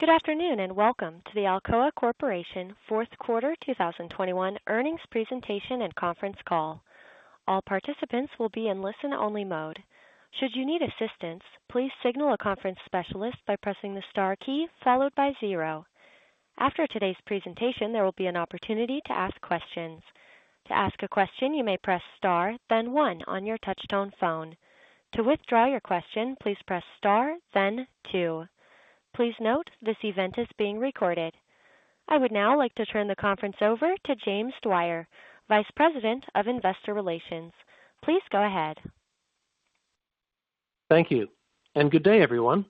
Good afternoon, and welcome to the Alcoa Corporation fourth quarter 2021 earnings presentation and conference call. All participants will be in listen-only mode. Should you need assistance, please signal a conference specialist by pressing the star key followed by zero. After today's presentation, there will be an opportunity to ask questions. To ask a question, you may press star then one on your touch-tone phone. To withdraw your question, please press star then two. Please note this event is being recorded. I would now like to turn the conference over to James Dwyer, Vice President of Investor Relations. Please go ahead. Thank you and good day, everyone.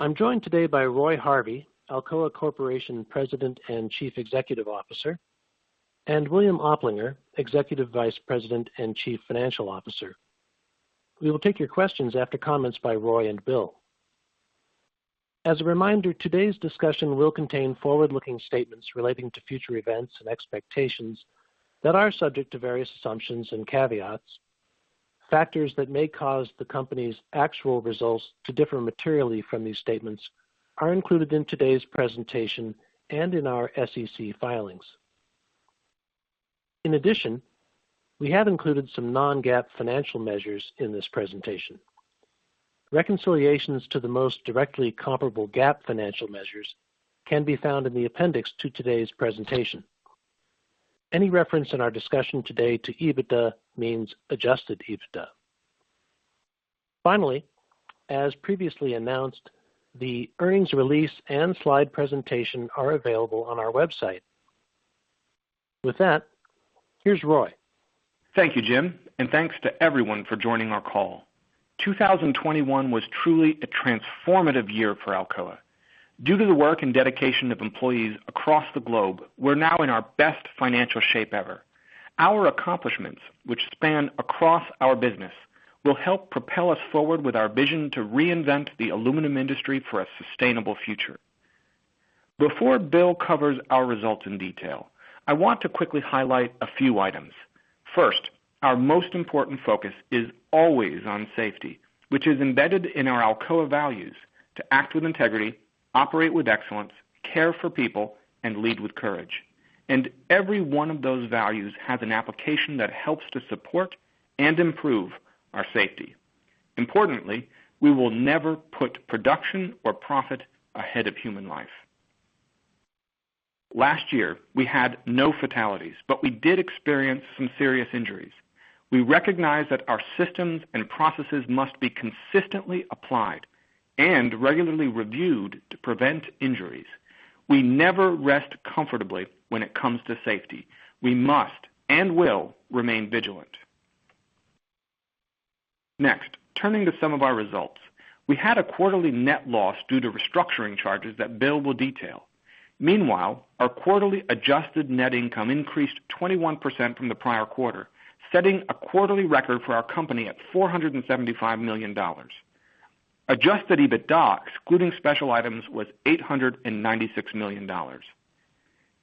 I'm joined today by Roy Harvey, Alcoa Corporation President and Chief Executive Officer, and William Oplinger, Executive Vice President and Chief Financial Officer. We will take your questions after comments by Roy and Bill. As a reminder, today's discussion will contain forward-looking statements relating to future events and expectations that are subject to various assumptions and caveats. Factors that may cause the company's actual results to differ materially from these statements are included in today's presentation and in our SEC filings. In addition, we have included some non-GAAP financial measures in this presentation. Reconciliations to the most directly comparable GAAP financial measures can be found in the appendix to today's presentation. Any reference in our discussion today to EBITDA means adjusted EBITDA. Finally, as previously announced, the earnings release and slide presentation are available on our website. With that, here's Roy. Thank you, Jim, and thanks to everyone for joining our call. 2021 was truly a transformative year for Alcoa. Due to the work and dedication of employees across the globe, we're now in our best financial shape ever. Our accomplishments, which span across our business, will help propel us forward with our vision to reinvent the aluminum industry for a sustainable future. Before Bill covers our results in detail, I want to quickly highlight a few items. First, our most important focus is always on safety, which is embedded in our Alcoa values: to act with integrity, operate with excellence, care for people, and lead with courage. Every one of those values has an application that helps to support and improve our safety. Importantly, we will never put production or profit ahead of human life. Last year, we had no fatalities, but we did experience some serious injuries. We recognize that our systems and processes must be consistently applied and regularly reviewed to prevent injuries. We never rest comfortably when it comes to safety. We must and will remain vigilant. Next, turning to some of our results. We had a quarterly net loss due to restructuring charges that Bill will detail. Meanwhile, our quarterly adjusted net income increased 21% from the prior quarter, setting a quarterly record for our company at $475 million. Adjusted EBITDA, excluding special items, was $896 million.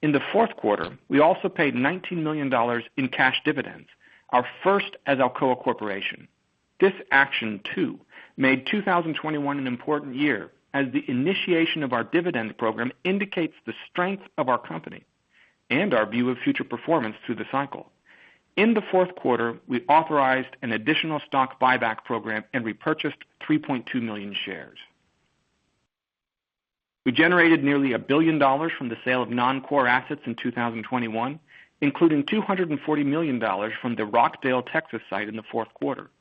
In the fourth quarter, we also paid $19 million in cash dividends, our first as Alcoa Corporation. This action, too, made 2021 an important year, as the initiation of our dividend program indicates the strength of our company and our view of future performance through the cycle. In the fourth quarter, we authorized an additional stock buyback program and repurchased 3.2 million shares. We generated nearly $1 billion from the sale of non-core assets in 2021, including $240 million from the Rockdale, Texas site in the fourth quarter.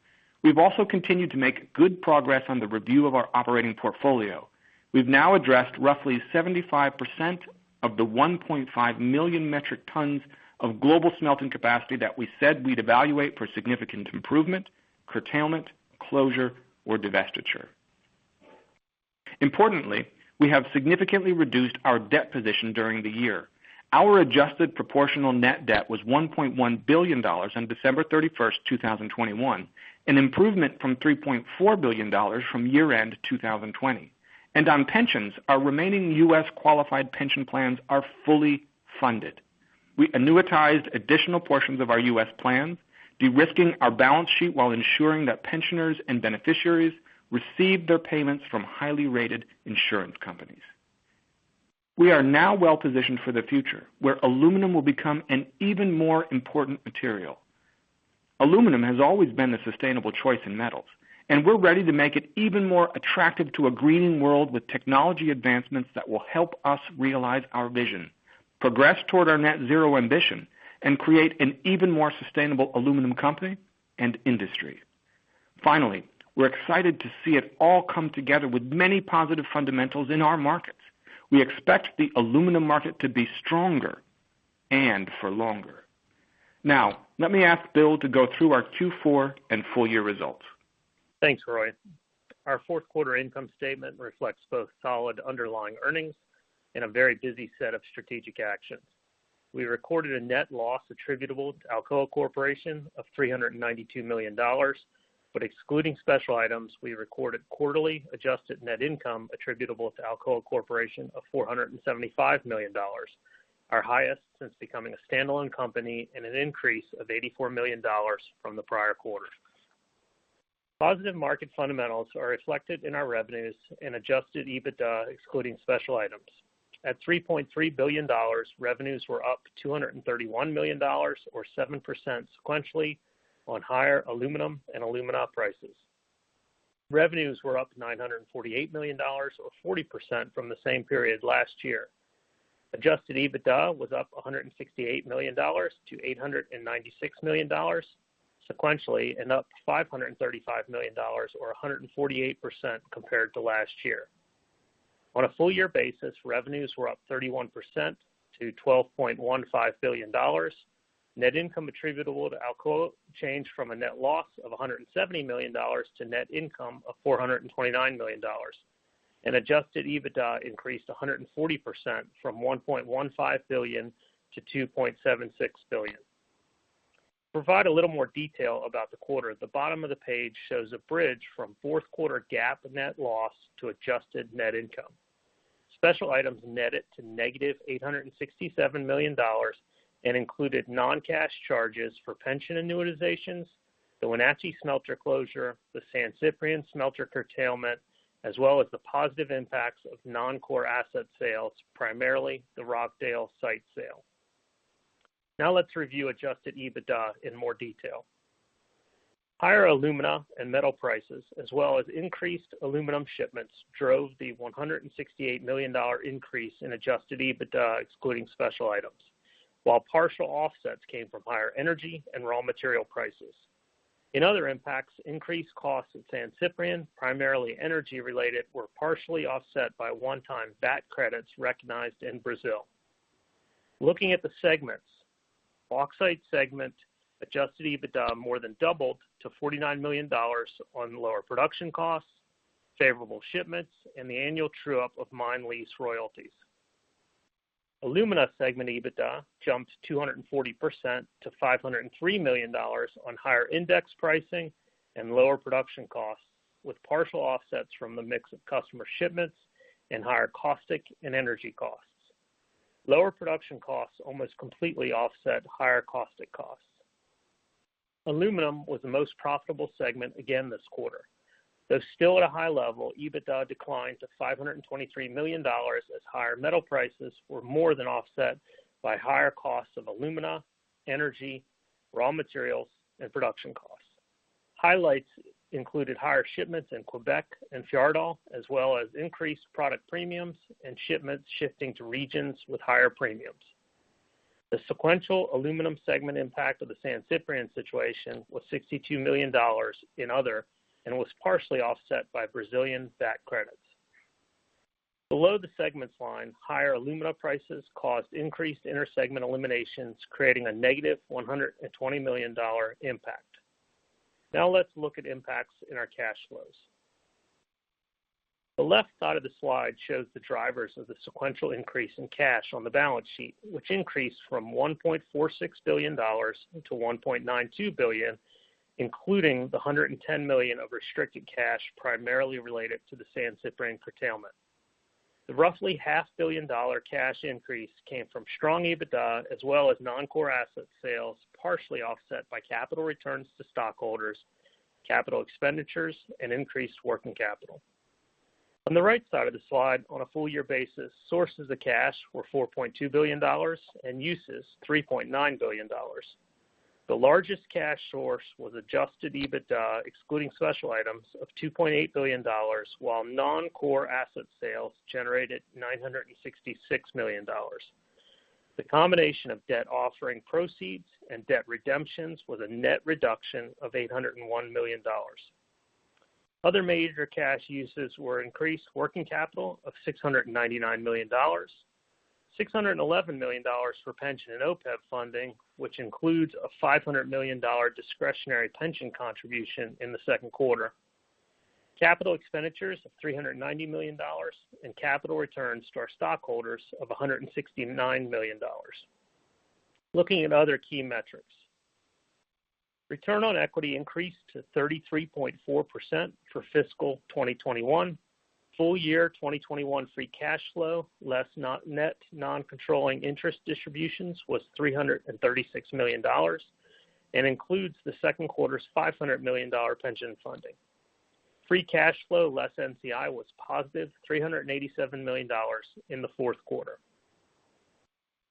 We've also continued to make good progress on the review of our operating portfolio. We've now addressed roughly 75% of the 1.5 million metric tons of global smelting capacity that we said we'd evaluate for significant improvement, curtailment, closure, or divestiture. Importantly, we have significantly reduced our debt position during the year. Our adjusted proportional net debt was $1.1 billion on December 31, 2021, an improvement from $3.4 billion from year-end 2020. On pensions, our remaining U.S. qualified pension plans are fully funded. We annuitized additional portions of our U.S. plans, de-risking our balance sheet while ensuring that pensioners and beneficiaries receive their payments from highly rated insurance companies. We are now well-positioned for the future, where aluminum will become an even more important material. Aluminum has always been the sustainable choice in metals, and we're ready to make it even more attractive to a greening world with technology advancements that will help us realize our vision, progress toward our net zero ambition, and create an even more sustainable aluminum company and industry. Finally, we're excited to see it all come together with many positive fundamentals in our markets. We expect the aluminum market to be stronger and for longer. Now, let me ask Bill to go through our Q4 and full year results. Thanks, Roy. Our fourth quarter income statement reflects both solid underlying earnings and a very busy set of strategic actions. We recorded a net loss attributable to Alcoa Corporation of $392 million, but excluding special items, we recorded quarterly adjusted net income attributable to Alcoa Corporation of $475 million, our highest since becoming a standalone company, and an increase of $84 million from the prior quarter. Positive market fundamentals are reflected in our revenues and adjusted EBITDA excluding special items. At $3.3 billion, revenues were up $231 million or 7% sequentially on higher aluminum and alumina prices. Revenues were up $948 million, or 40% from the same period last year. Adjusted EBITDA was up $168 million to $896 million sequentially, and up $535 million or 148% compared to last year. On a full year basis, revenues were up 31% to $12.15 billion. Net income attributable to Alcoa changed from a net loss of $170 million to net income of $429 million. Adjusted EBITDA increased 140% from $1.15 billion to $2.76 billion. To provide a little more detail about the quarter, at the bottom of the page shows a bridge from fourth quarter GAAP net loss to adjusted net income. Special items netted to -$867 million and included non-cash charges for pension annuitizations, the Wenatchee smelter closure, the San Ciprián smelter curtailment, as well as the positive impacts of non-core asset sales, primarily the Rockdale site sale. Now let's review adjusted EBITDA in more detail. Higher alumina and metal prices, as well as increased aluminum shipments, drove the $168 million increase in adjusted EBITDA, excluding special items, while partial offsets came from higher energy and raw material prices. In other impacts, increased costs at San Ciprián, primarily energy-related, were partially offset by one-time VAT credits recognized in Brazil. Looking at the segments, Bauxite segment adjusted EBITDA more than doubled to $49 million on lower production costs, favorable shipments, and the annual true-up of mine lease royalties. Alumina segment EBITDA jumped 240% to $503 million on higher index pricing and lower production costs, with partial offsets from the mix of customer shipments and higher caustic and energy costs. Lower production costs almost completely offset higher caustic costs. Aluminum was the most profitable segment again this quarter. Though still at a high level, EBITDA declined to $523 million as higher metal prices were more than offset by higher costs of alumina, energy, raw materials, and production costs. Highlights included higher shipments in Quebec and Fjarðaál, as well as increased product premiums and shipments shifting to regions with higher premiums. The sequential aluminum segment impact of the San Ciprián situation was $62 million in other, and was partially offset by Brazilian VAT credits. Below the segments line, higher alumina prices caused increased intersegment eliminations, creating a negative $120 million impact. Now let's look at impacts in our cash flows. The left side of the slide shows the drivers of the sequential increase in cash on the balance sheet, which increased from $1.46 billion to $1.92 billion, including the $110 million of restricted cash primarily related to the San Ciprián curtailment. The roughly $0.5 billion cash increase came from strong EBITDA, as well as non-core asset sales, partially offset by capital returns to stockholders, capital expenditures, and increased working capital. On the right side of the slide, on a full-year basis, sources of cash were $4.2 billion and uses $3.9 billion. The largest cash source was adjusted EBITDA, excluding special items, of $2.8 billion, while non-core asset sales generated $966 million. The combination of debt offering proceeds and debt redemptions was a net reduction of $801 million. Other major cash uses were increased working capital of $699 million, $611 million for pension and OPEB funding, which includes a $500 million discretionary pension contribution in the second quarter. Capital expenditures of $390 million and capital returns to our stockholders of $169 million. Looking at other key metrics. Return on equity increased to 33.4% for fiscal 2021. Full year 2021 free cash flow, less net non-controlling interest distributions, was $336 million and includes the second quarter's $500 million pension funding. Free cash flow, less NCI, was positive $387 million in the fourth quarter.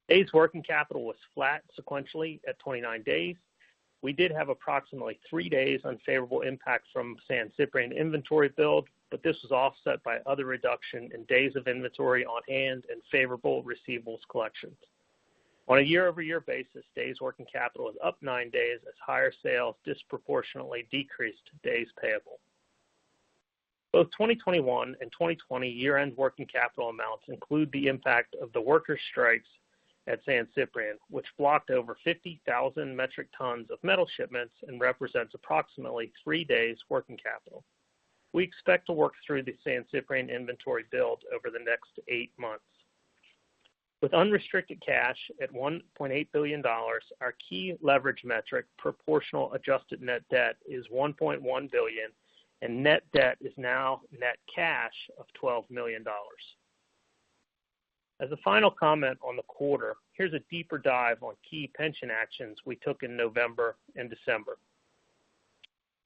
Days' working capital was flat sequentially at 29 days. We did have approximately three days unfavorable impact from San Ciprián inventory build, but this was offset by other reduction in days of inventory on hand and favorable receivables collections. On a year-over-year basis, days' working capital is up nine days as higher sales disproportionately decreased days payable. Both 2021 and 2020 year-end working capital amounts include the impact of the worker strikes at San Ciprián, which blocked over 50,000 metric tons of metal shipments and represents approximately three days' working capital. We expect to work through the San Ciprián inventory build over the next eight months. With unrestricted cash at $1.8 billion, our key leverage metric, proportional adjusted net debt, is $1.1 billion, and net debt is now net cash of $12 million. As a final comment on the quarter, here's a deeper dive on key pension actions we took in November and December.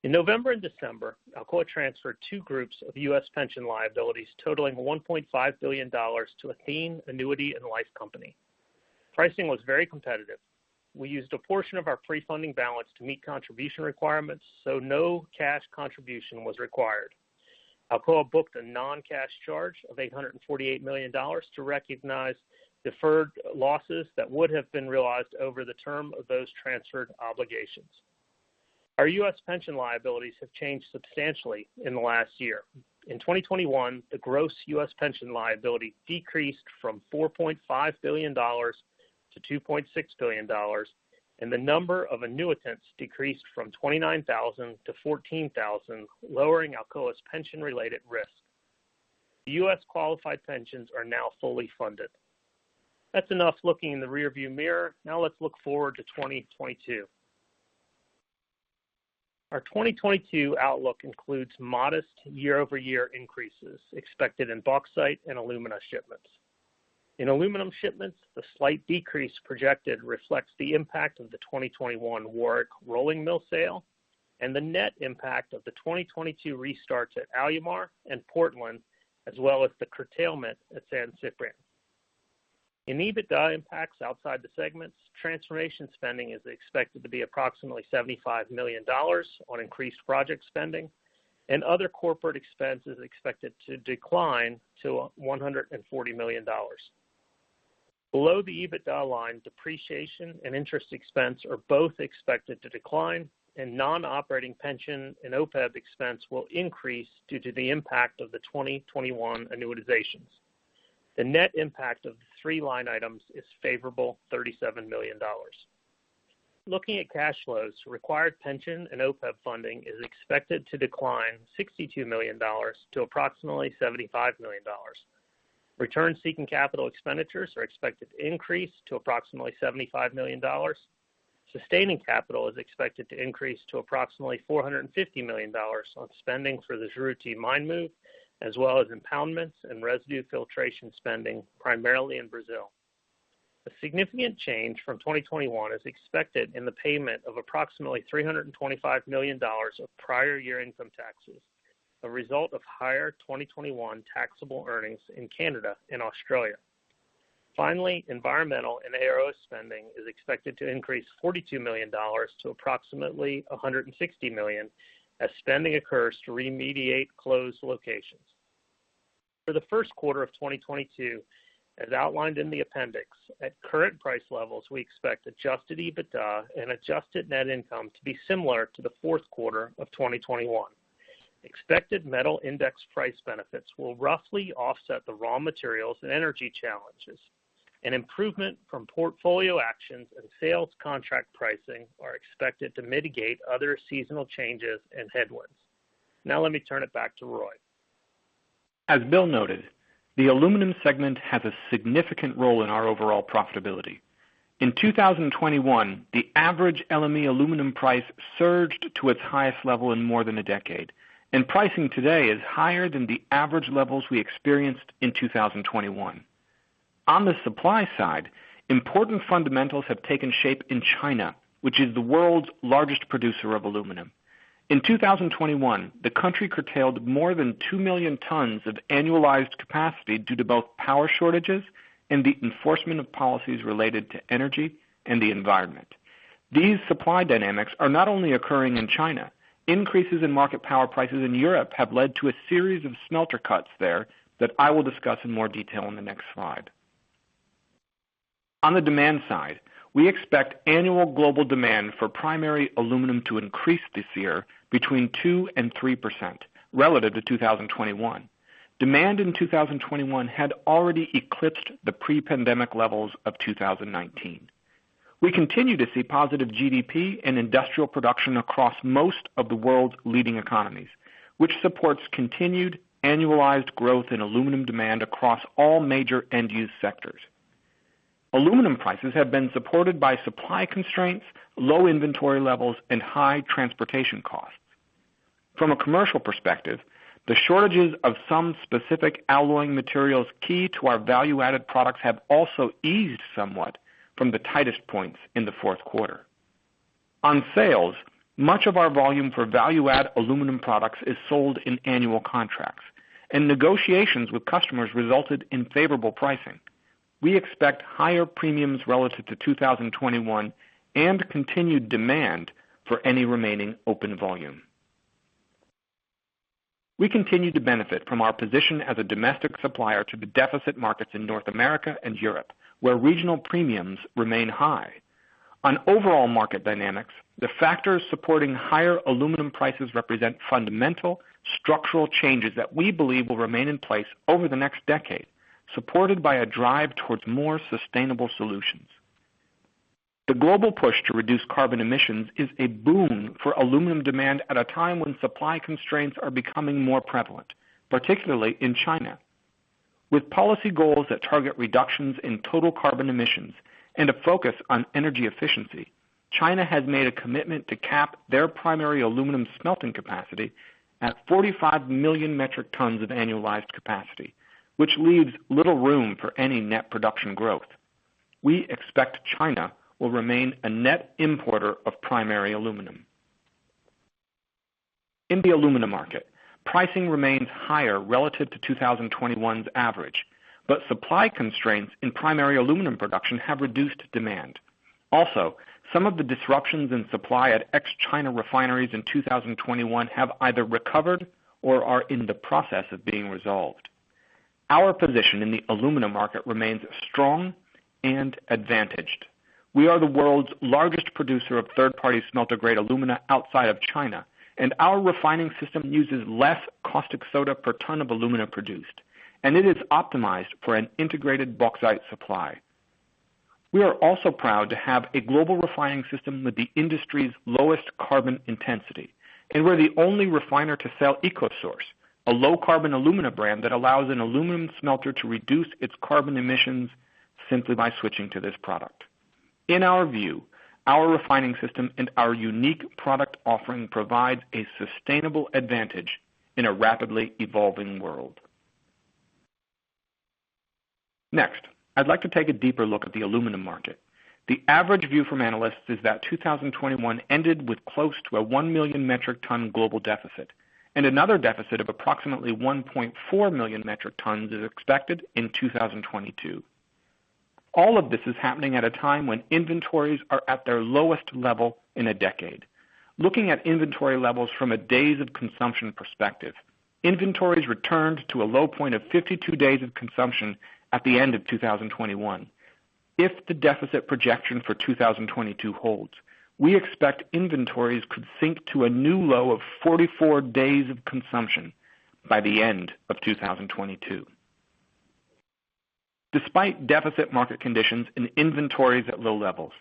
In November and December, Alcoa transferred two groups of U.S. pension liabilities totaling $1.5 billion to Athene Annuity and Life Company. Pricing was very competitive. We used a portion of our pre-funding balance to meet contribution requirements, so no cash contribution was required. Alcoa booked a non-cash charge of $848 million to recognize deferred losses that would have been realized over the term of those transferred obligations. Our U.S. pension liabilities have changed substantially in the last year. In 2021, the gross U.S. pension liability decreased from $4.5 billion to $2.6 billion, and the number of annuitants decreased from 29,000 to 14,000, lowering Alcoa's pension-related risk. The U.S. qualified pensions are now fully funded. That's enough looking in the rearview mirror. Now let's look forward to 2022. Our 2022 outlook includes modest year-over-year increases expected in bauxite and alumina shipments. In aluminum shipments, the slight decrease projected reflects the impact of the 2021 Warwick rolling mill sale and the net impact of the 2022 restarts at Alumar and Portland, as well as the curtailment at San Ciprián. In EBITDA impacts outside the segments, transformation spending is expected to be approximately $75 million on increased project spending and other corporate expenses expected to decline to $140 million. Below the EBITDA line, depreciation and interest expense are both expected to decline, and non-operating pension and OPEB expense will increase due to the impact of the 2021 annuitizations. The net impact of the three line items is favorable $37 million. Looking at cash flows, required pension and OPEB funding is expected to decline $62 million to approximately $75 million. Return-seeking capital expenditures are expected to increase to approximately $75 million. Sustaining capital is expected to increase to approximately $450 million on spending for the Juruti mine move, as well as impoundments and residue filtration spending, primarily in Brazil. A significant change from 2021 is expected in the payment of approximately $325 million of prior year income taxes, a result of higher 2021 taxable earnings in Canada and Australia. Finally, environmental and ARO spending is expected to increase $42 million to approximately $160 million as spending occurs to remediate closed locations. For the first quarter of 2022, as outlined in the appendix, at current price levels, we expect adjusted EBITDA and adjusted net income to be similar to the fourth quarter of 2021. Expected metal index price benefits will roughly offset the raw materials and energy challenges. An improvement from portfolio actions and sales contract pricing are expected to mitigate other seasonal changes and headwinds. Now let me turn it back to Roy. As Bill noted, the aluminum segment has a significant role in our overall profitability. In 2021, the average LME aluminum price surged to its highest level in more than a decade, and pricing today is higher than the average levels we experienced in 2021. On the supply side, important fundamentals have taken shape in China, which is the world's largest producer of aluminum. In 2021, the country curtailed more than 2 million tons of annualized capacity due to both power shortages and the enforcement of policies related to energy and the environment. These supply dynamics are not only occurring in China. Increases in market power prices in Europe have led to a series of smelter cuts there that I will discuss in more detail in the next slide. On the demand side, we expect annual global demand for primary aluminum to increase this year between 2% and 3% relative to 2021. Demand in 2021 had already eclipsed the pre-pandemic levels of 2019. We continue to see positive GDP and industrial production across most of the world's leading economies, which supports continued annualized growth in aluminum demand across all major end-use sectors. Aluminum prices have been supported by supply constraints, low inventory levels, and high transportation costs. From a commercial perspective, the shortages of some specific alloying materials key to our value-added products have also eased somewhat from the tightest points in the fourth quarter. On sales, much of our volume for value-add aluminum products is sold in annual contracts, and negotiations with customers resulted in favorable pricing. We expect higher premiums relative to 2021 and continued demand for any remaining open volume. We continue to benefit from our position as a domestic supplier to the deficit markets in North America and Europe, where regional premiums remain high. On overall market dynamics, the factors supporting higher aluminum prices represent fundamental structural changes that we believe will remain in place over the next decade, supported by a drive towards more sustainable solutions. The global push to reduce carbon emissions is a boon for aluminum demand at a time when supply constraints are becoming more prevalent, particularly in China. With policy goals that target reductions in total carbon emissions and a focus on energy efficiency, China has made a commitment to cap their primary aluminum smelting capacity at 45 million metric tons of annualized capacity, which leaves little room for any net production growth. We expect China will remain a net importer of primary aluminum. In the aluminum market, pricing remains higher relative to 2021's average, but supply constraints in primary aluminum production have reduced demand. Also, some of the disruptions in supply at ex-China refineries in 2021 have either recovered or are in the process of being resolved. Our position in the aluminum market remains strong and advantaged. We are the world's largest producer of third-party smelter grade alumina outside of China, and our refining system uses less caustic soda per ton of alumina produced, and it is optimized for an integrated bauxite supply. We are also proud to have a global refining system with the industry's lowest carbon intensity, and we're the only refiner to sell EcoSource, a low-carbon alumina brand that allows an aluminum smelter to reduce its carbon emissions simply by switching to this product. In our view, our refining system and our unique product offering provides a sustainable advantage in a rapidly evolving world. Next, I'd like to take a deeper look at the aluminum market. The average view from analysts is that 2021 ended with close to a 1 million metric ton global deficit, and another deficit of approximately 1.4 million metric tons is expected in 2022. All of this is happening at a time when inventories are at their lowest level in a decade. Looking at inventory levels from a days of consumption perspective, inventories returned to a low point of 52 days of consumption at the end of 2021. If the deficit projection for 2022 holds, we expect inventories could sink to a new low of 44 days of consumption by the end of 2022. Despite deficit market conditions and inventories at low levels,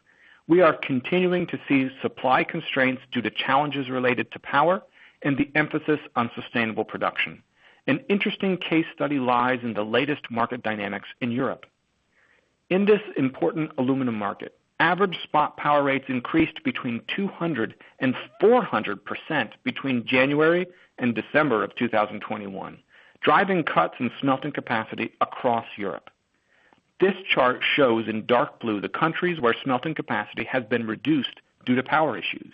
we are continuing to see supply constraints due to challenges related to power and the emphasis on sustainable production. An interesting case study lies in the latest market dynamics in Europe. In this important aluminum market, average spot power rates increased 200%-400% between January and December of 2021, driving cuts in smelting capacity across Europe. This chart shows in dark blue the countries where smelting capacity has been reduced due to power issues.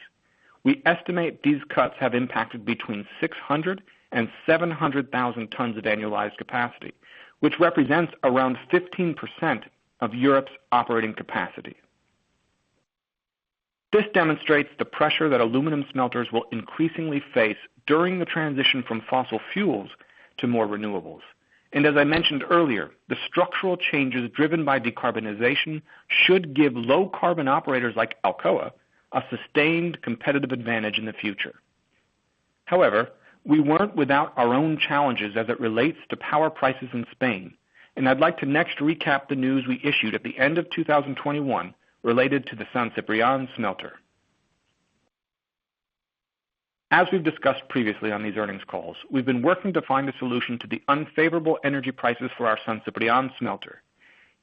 We estimate these cuts have impacted between 600,000 and 700,000 tons of annualized capacity, which represents around 15% of Europe's operating capacity. This demonstrates the pressure that aluminum smelters will increasingly face during the transition from fossil fuels to more renewables. As I mentioned earlier, the structural changes driven by decarbonization should give low-carbon operators like Alcoa a sustained competitive advantage in the future. However, we weren't without our own challenges as it relates to power prices in Spain. I'd like to next recap the news we issued at the end of 2021 related to the San Ciprián smelter. As we've discussed previously on these earnings calls, we've been working to find a solution to the unfavorable energy prices for our San Ciprián smelter.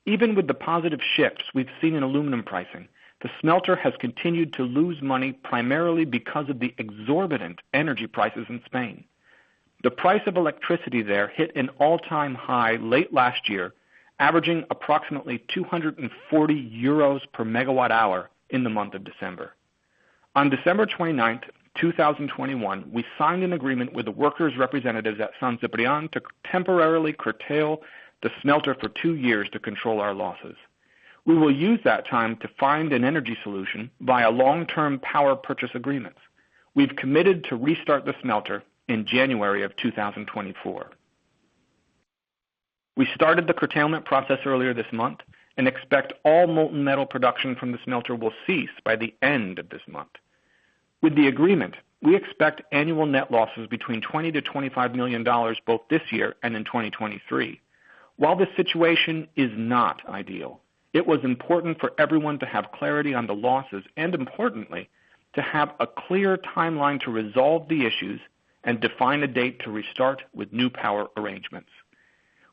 Even with the positive shifts we've seen in aluminum pricing, the smelter has continued to lose money primarily because of the exorbitant energy prices in Spain. The price of electricity there hit an all-time high late last year, averaging approximately 240 euros per MWh in the month of December. On December 29, 2021, we signed an agreement with the workers' representatives at San Ciprián to temporarily curtail the smelter for two years to control our losses. We will use that time to find an energy solution via long-term power purchase agreements. We've committed to restart the smelter in January 2024. We started the curtailment process earlier this month and expect all molten metal production from the smelter will cease by the end of this month. With the agreement, we expect annual net losses between $20 million-$25 million both this year and in 2023. While this situation is not ideal, it was important for everyone to have clarity on the losses, and importantly, to have a clear timeline to resolve the issues and define a date to restart with new power arrangements.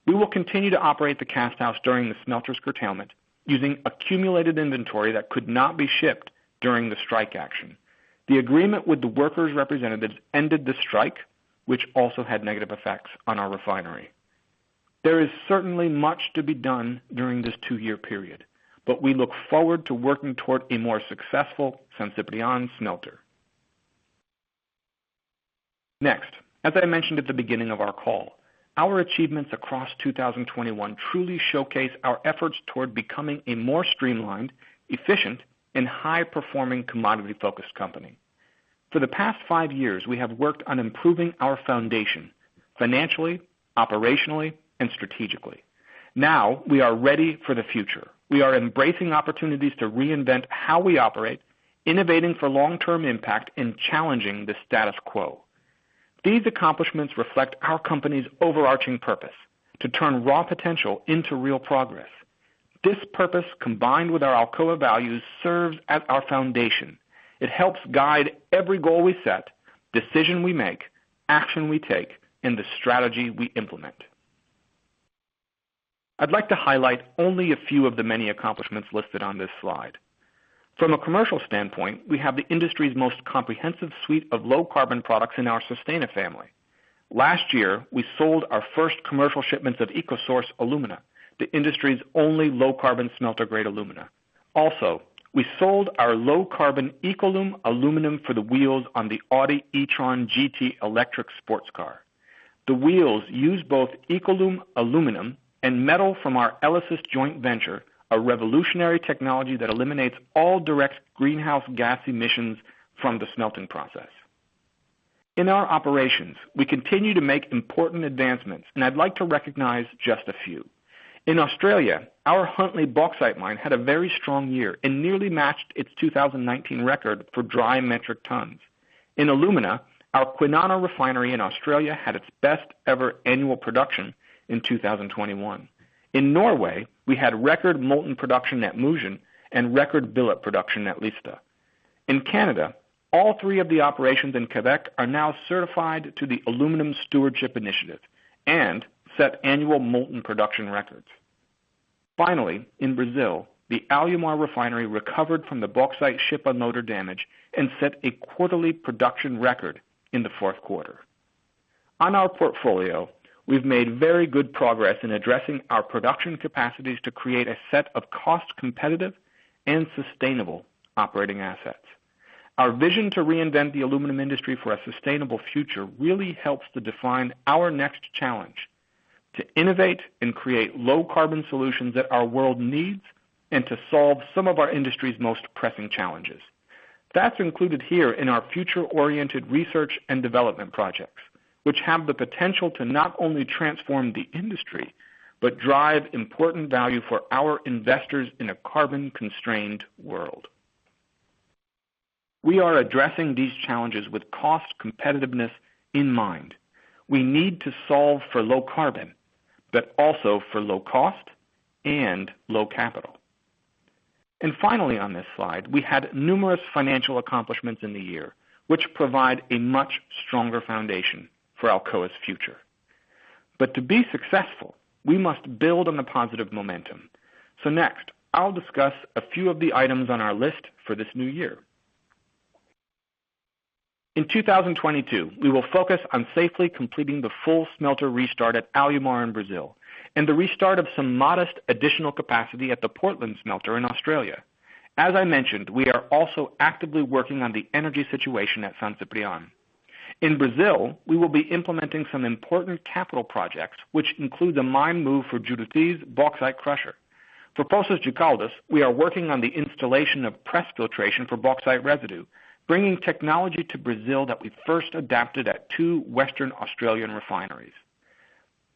We will continue to operate the cast house during the smelter's curtailment using accumulated inventory that could not be shipped during the strike action. The agreement with the workers' representatives ended the strike, which also had negative effects on our refinery. There is certainly much to be done during this two-year period, but we look forward to working toward a more successful San Ciprián smelter. Next, as I mentioned at the beginning of our call, our achievements across 2021 truly showcase our efforts toward becoming a more streamlined, efficient, and high-performing commodity-focused company. For the past five years, we have worked on improving our foundation financially, operationally, and strategically. Now we are ready for the future. We are embracing opportunities to reinvent how we operate, innovating for long-term impact, and challenging the status quo. These accomplishments reflect our company's overarching purpose, to turn raw potential into real progress. This purpose, combined with our Alcoa values, serves as our foundation. It helps guide every goal we set, decision we make, action we take, and the strategy we implement. I'd like to highlight only a few of the many accomplishments listed on this slide. From a commercial standpoint, we have the industry's most comprehensive suite of low-carbon products in our Sustana family. Last year, we sold our first commercial shipments of EcoSource alumina, the industry's only low-carbon smelter-grade alumina. Also, we sold our low-carbon EcoLum aluminum for the wheels on the Audi e-tron GT electric sports car. The wheels use both EcoLum aluminum and metal from our ELYSIS joint venture, a revolutionary technology that eliminates all direct greenhouse gas emissions from the smelting process. In our operations, we continue to make important advancements, and I'd like to recognize just a few. In Australia, our Huntly bauxite mine had a very strong year and nearly matched its 2019 record for dry metric tons. In alumina, our Kwinana refinery in Australia had its best-ever annual production in 2021. In Norway, we had record molten production at Mo i Rana and record billet production at Lista. In Canada, all three of the operations in Quebec are now certified to the Aluminium Stewardship Initiative and set annual molten production records. Finally, in Brazil, the Alumar refinery recovered from the bauxite ship unloader damage and set a quarterly production record in the fourth quarter. On our portfolio, we've made very good progress in addressing our production capacities to create a set of cost-competitive and sustainable operating assets. Our vision to reinvent the aluminum industry for a sustainable future really helps to define our next challenge to innovate and create low-carbon solutions that our world needs and to solve some of our industry's most pressing challenges. That's included here in our future-oriented research and development projects, which have the potential to not only transform the industry, but drive important value for our investors in a carbon-constrained world. We are addressing these challenges with cost competitiveness in mind. We need to solve for low carbon, but also for low cost and low capital. Finally, on this slide, we had numerous financial accomplishments in the year, which provide a much stronger foundation for Alcoa's future. To be successful, we must build on the positive momentum. Next, I'll discuss a few of the items on our list for this new year. In 2022, we will focus on safely completing the full smelter restart at Alumar in Brazil and the restart of some modest additional capacity at the Portland Smelter in Australia. As I mentioned, we are also actively working on the energy situation at San Ciprián. In Brazil, we will be implementing some important capital projects, which include the mine move for Juruti bauxite crusher. For Poços de Caldas, we are working on the installation of press filtration for bauxite residue, bringing technology to Brazil that we first adapted at two Western Australian refineries.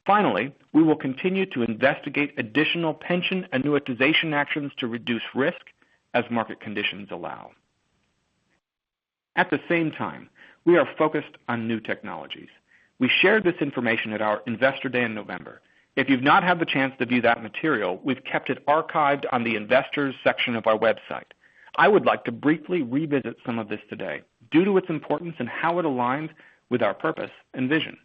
Finally, we will continue to investigate additional pension annuitization actions to reduce risk as market conditions allow. At the same time, we are focused on new technologies. We shared this information at our Investor Day in November. If you've not had the chance to view that material, we've kept it archived on the Investors section of our website. I would like to briefly revisit some of this today due to its importance and how it aligns with our purpose and vision.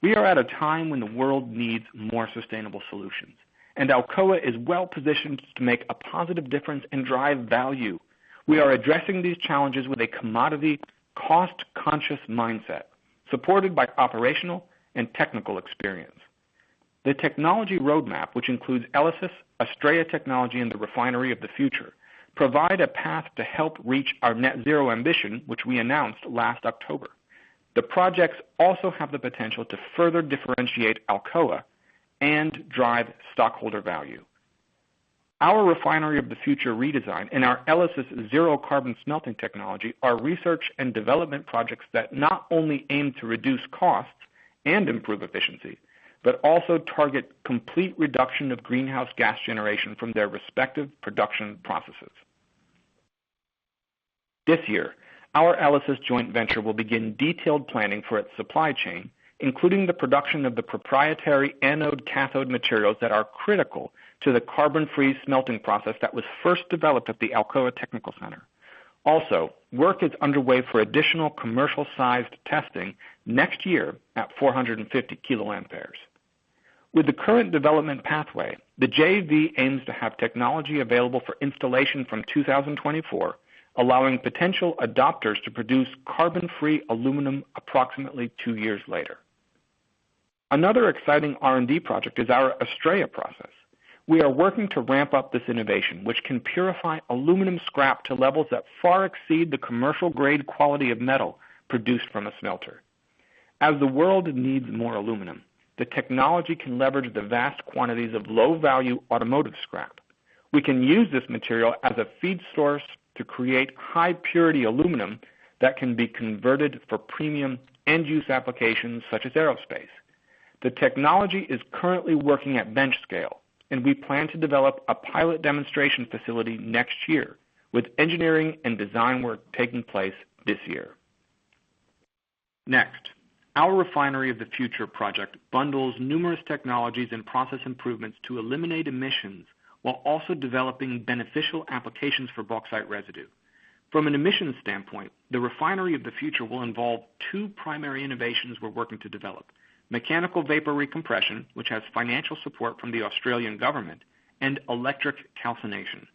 We are at a time when the world needs more sustainable solutions, and Alcoa is well-positioned to make a positive difference and drive value. We are addressing these challenges with a commodity cost-conscious mindset, supported by operational and technical experience. The technology roadmap, which includes ELYSIS, ASTRAEA Technology, and the Refinery of the Future, provide a path to help reach our net zero ambition, which we announced last October. The projects also have the potential to further differentiate Alcoa and drive stockholder value. Our Refinery of the Future redesign and our ELYSIS zero-carbon smelting technology are research and development projects that not only aim to reduce costs and improve efficiency, but also target complete reduction of greenhouse gas generation from their respective production processes. This year, our ELYSIS joint venture will begin detailed planning for its supply chain, including the production of the proprietary anode cathode materials that are critical to the carbon-free smelting process that was first developed at the Alcoa Technical Center. Also, work is underway for additional commercial-sized testing next year at 450 kiloamperes. With the current development pathway, the JV aims to have technology available for installation from 2024, allowing potential adopters to produce carbon-free aluminum approximately two years later. Another exciting R&D project is our ASTRAEA process. We are working to ramp up this innovation, which can purify aluminum scrap to levels that far exceed the commercial grade quality of metal produced from a smelter. As the world needs more aluminum, the technology can leverage the vast quantities of low-value automotive scrap. We can use this material as a feed source to create high-purity aluminum that can be converted for premium end-use applications such as aerospace. The technology is currently working at bench scale, and we plan to develop a pilot demonstration facility next year with engineering and design work taking place this year. Next, our Refinery of the Future project bundles numerous technologies and process improvements to eliminate emissions while also developing beneficial applications for bauxite residue. From an emissions standpoint, the Refinery of the Future will involve two primary innovations we're working to develop mechanical vapor recompression, which has financial support from the Australian government, and electric calcination.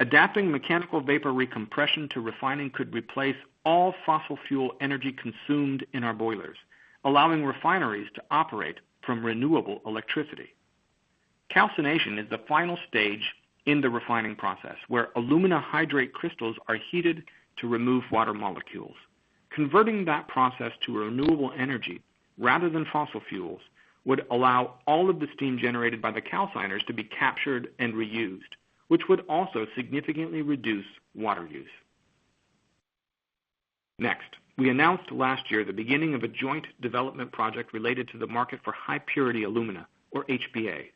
Adapting mechanical vapor recompression to refining could replace all fossil fuel energy consumed in our boilers, allowing refineries to operate from renewable electricity. Calcination is the final stage in the refining process, where alumina hydrate crystals are heated to remove water molecules. Converting that process to renewable energy rather than fossil fuels would allow all of the steam generated by the calciners to be captured and reused, which would also significantly reduce water use. Next, we announced last year the beginning of a joint development project related to the market for high purity alumina or HPA.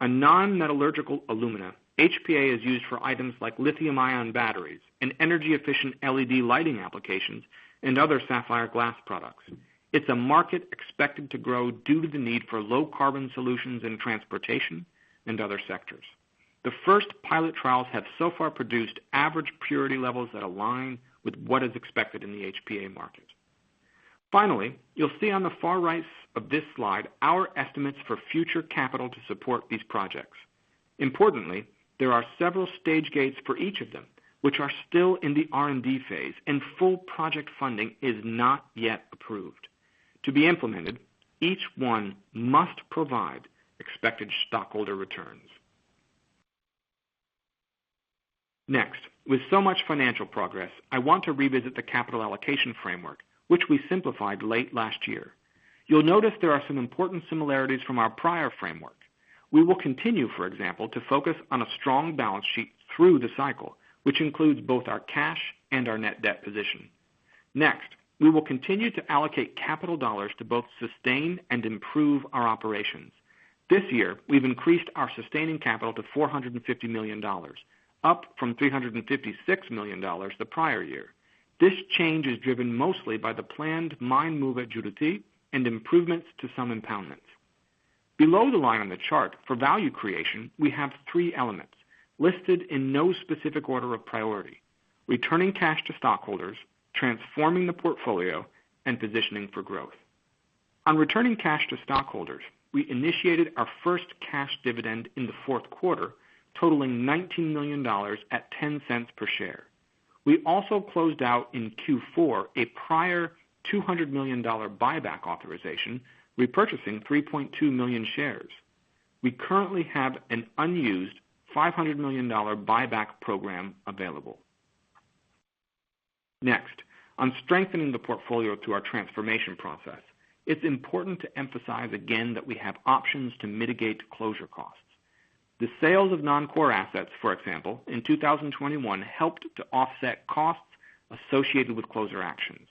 A non-metallurgical alumina, HPA is used for items like lithium-ion batteries and energy efficient LED lighting applications and other sapphire glass products. It's a market expected to grow due to the need for low carbon solutions in transportation and other sectors. The first pilot trials have so far produced average purity levels that align with what is expected in the HPA market. Finally, you'll see on the far right of this slide our estimates for future capital to support these projects. Importantly, there are several stage gates for each of them, which are still in the R&D phase, and full project funding is not yet approved. To be implemented, each one must provide expected stockholder returns. Next, with so much financial progress, I want to revisit the capital allocation framework, which we simplified late last year. You'll notice there are some important similarities from our prior framework. We will continue, for example, to focus on a strong balance sheet through the cycle, which includes both our cash and our net debt position. Next, we will continue to allocate capital dollars to both sustain and improve our operations. This year, we've increased our sustaining capital to $450 million, up from $356 million the prior year. This change is driven mostly by the planned mine move at Juruti and improvements to some impoundments. Below the line on the chart for value creation, we have three elements listed in no specific order of priority. Returning cash to stockholders, transforming the portfolio, and positioning for growth. On returning cash to stockholders, we initiated our first cash dividend in the fourth quarter, totaling $19 million at $0.10 per share. We also closed out in Q4 a prior $200 million buyback authorization, repurchasing 3.2 million shares. We currently have an unused $500 million buyback program available. Next, on strengthening the portfolio through our transformation process. It's important to emphasize again that we have options to mitigate closure costs. The sales of non-core assets, for example, in 2021, helped to offset costs associated with closure actions.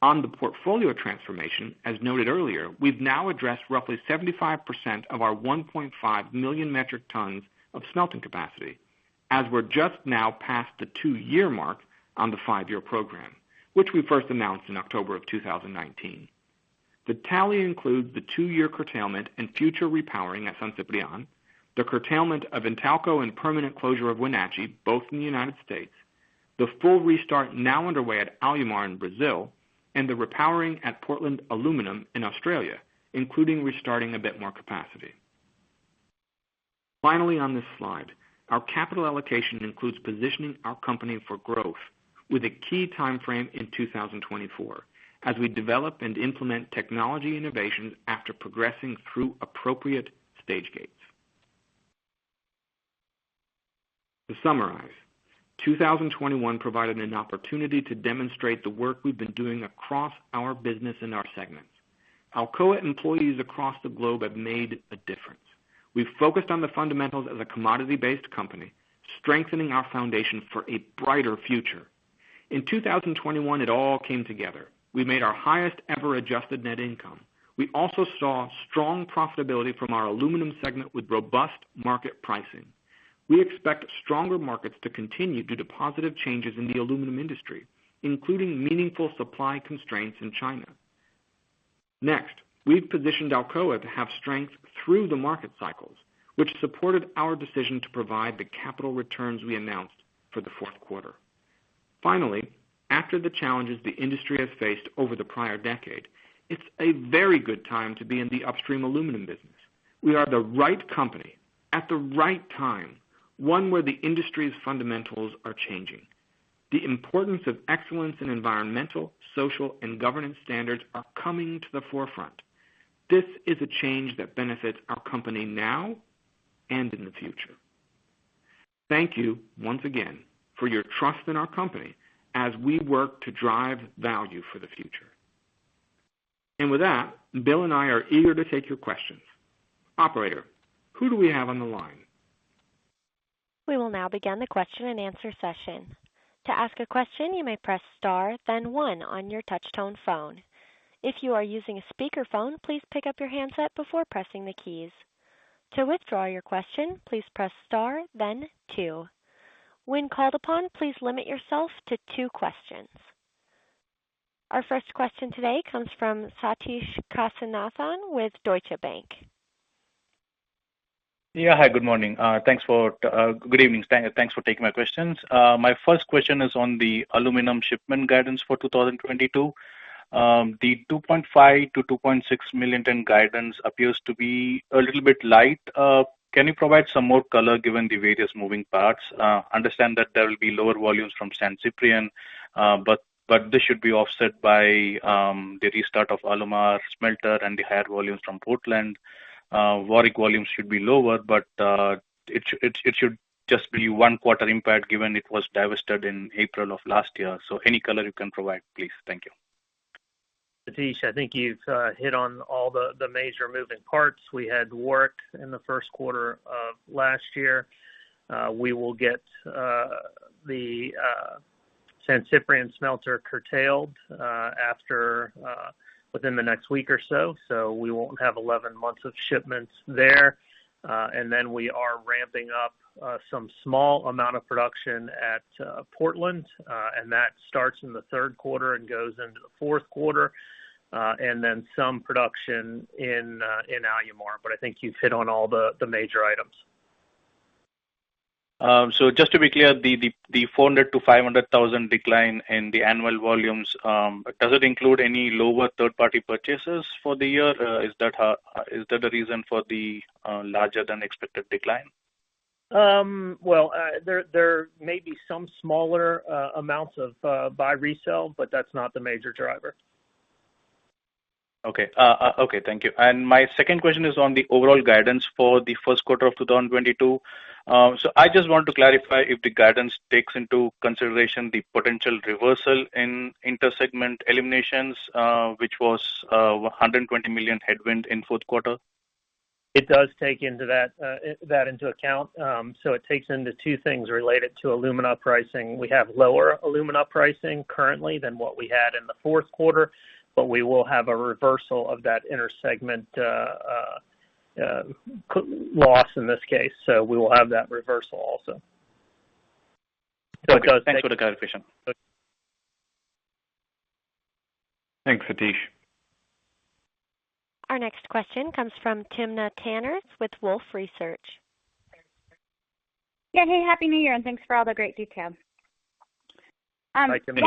On the portfolio transformation, as noted earlier, we've now addressed roughly 75% of our 1.5 million metric tons of smelting capacity as we're just now past the two-year mark on the five-year program, which we first announced in October 2019. The tally includes the two-year curtailment and future repowering at San Ciprián, the curtailment of Intalco, and permanent closure of Wenatchee, both in the United States, the full restart now underway at Alumar in Brazil and the repowering at Portland Aluminium in Australia, including restarting a bit more capacity. Finally, on this slide, our capital allocation includes positioning our company for growth with a key timeframe in 2024 as we develop and implement technology innovations after progressing through appropriate stage gates. To summarize, 2021 provided an opportunity to demonstrate the work we've been doing across our business in our segments. Alcoa employees across the globe have made a difference. We've focused on the fundamentals as a commodity-based company, strengthening our foundation for a brighter future. In 2021, it all came together. We made our highest ever adjusted net income. We also saw strong profitability from our aluminum segment with robust market pricing. We expect stronger markets to continue due to positive changes in the aluminum industry, including meaningful supply constraints in China. Next, we've positioned Alcoa to have strength through the market cycles, which supported our decision to provide the capital returns we announced for the fourth quarter. Finally, after the challenges the industry has faced over the prior decade, it's a very good time to be in the upstream aluminum business. We are the right company at the right time, one where the industry's fundamentals are changing. The importance of excellence in environmental, social, and governance standards are coming to the forefront. This is a change that benefits our company now and in the future. Thank you once again for your trust in our company as we work to drive value for the future. With that, Bill and I are eager to take your questions. Operator, who do we have on the line? We will now begin the question-and-answer session. To ask a question, you may press star then one on your touch-tone phone. If you are using a speakerphone, please pick up your handset before pressing the keys. To withdraw your question, please press star then two. When called upon, please limit yourself to two questions. Our first question today comes from Sathish Kasinathan with Deutsche Bank. Hi, good morning. Thanks for taking my questions. My first question is on the aluminum shipment guidance for 2022. The 2.5 million-2.6 million ton guidance appears to be a little bit light. Can you provide some more color given the various moving parts? I understand that there will be lower volumes from San Ciprián, but this should be offset by the restart of Alumar smelter and the higher volumes from Portland. Warrick volumes should be lower, but it should just be one quarter impact given it was divested in April of last year. Any color you can provide, please. Thank you. Sathish, I think you've hit on all the major moving parts. We had work in the first quarter of last year. We will get the San Ciprián smelter curtailed after within the next week or so we won't have 11 months of shipments there. And then we are ramping up some small amount of production at Portland, and that starts in the third quarter and goes into the fourth quarter, and then some production in Alumar. But I think you've hit on all the major items. Just to be clear, the 400,000-500,000 decline in the annual volumes, does it include any lower third-party purchases for the year? Is that the reason for the larger than expected decline? There may be some smaller amounts of buy resale, but that's not the major driver. Okay, thank you. My second question is on the overall guidance for the first quarter of 2022. So I just want to clarify if the guidance takes into consideration the potential reversal in intersegment eliminations, which was $120 million headwind in fourth quarter. It does take that into account. It takes into two things related to alumina pricing. We have lower alumina pricing currently than what we had in the fourth quarter, but we will have a reversal of that intersegment sales loss in this case. We will have that reversal also. Okay. Thanks for the clarification. So- Thanks, Sathish. Our next question comes from Timna Tanners with Wolfe Research. Yeah. Hey, Happy New Year, and thanks for all the great detail. Hi, Timna.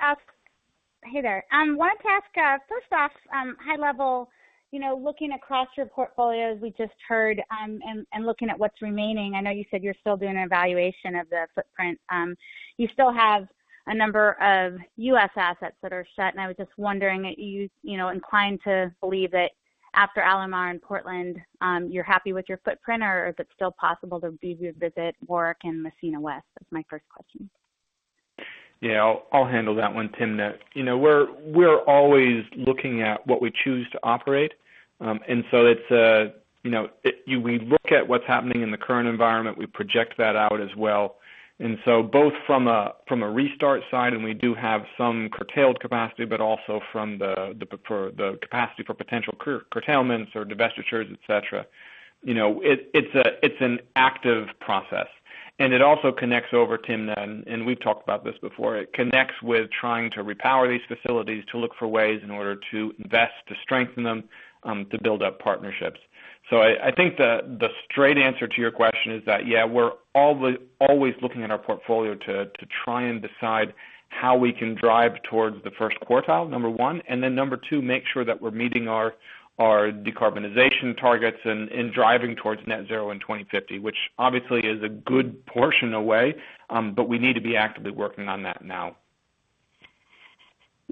Hi, there. I wanted to ask, first off, high level, you know, looking across your portfolio as we just heard, and looking at what's remaining, I know you said you're still doing an evaluation of the footprint. You still have a number of U.S. assets that are shut, and I was just wondering if you know, inclined to believe that after Alumar and Portland, you're happy with your footprint, or is it still possible to revisit Warrick and Massena West? That's my first question. Yeah, I'll handle that one, Timna. You know, we're always looking at what we choose to operate. We look at what's happening in the current environment. We project that out as well. Both from a restart side, and we do have some curtailed capacity, but also from the capacity for potential curtailments or divestitures, et cetera. You know, it's an active process. It also connects over Timna, and we've talked about this before. It connects with trying to repower these facilities to look for ways in order to invest, to strengthen them, to build up partnerships. I think the straight answer to your question is that, yeah, we're always looking at our portfolio to try and decide how we can drive towards the first quartile, number one. Then number two, make sure that we're meeting our decarbonization targets and driving towards net zero in 2050, which obviously is a good portion away. We need to be actively working on that now.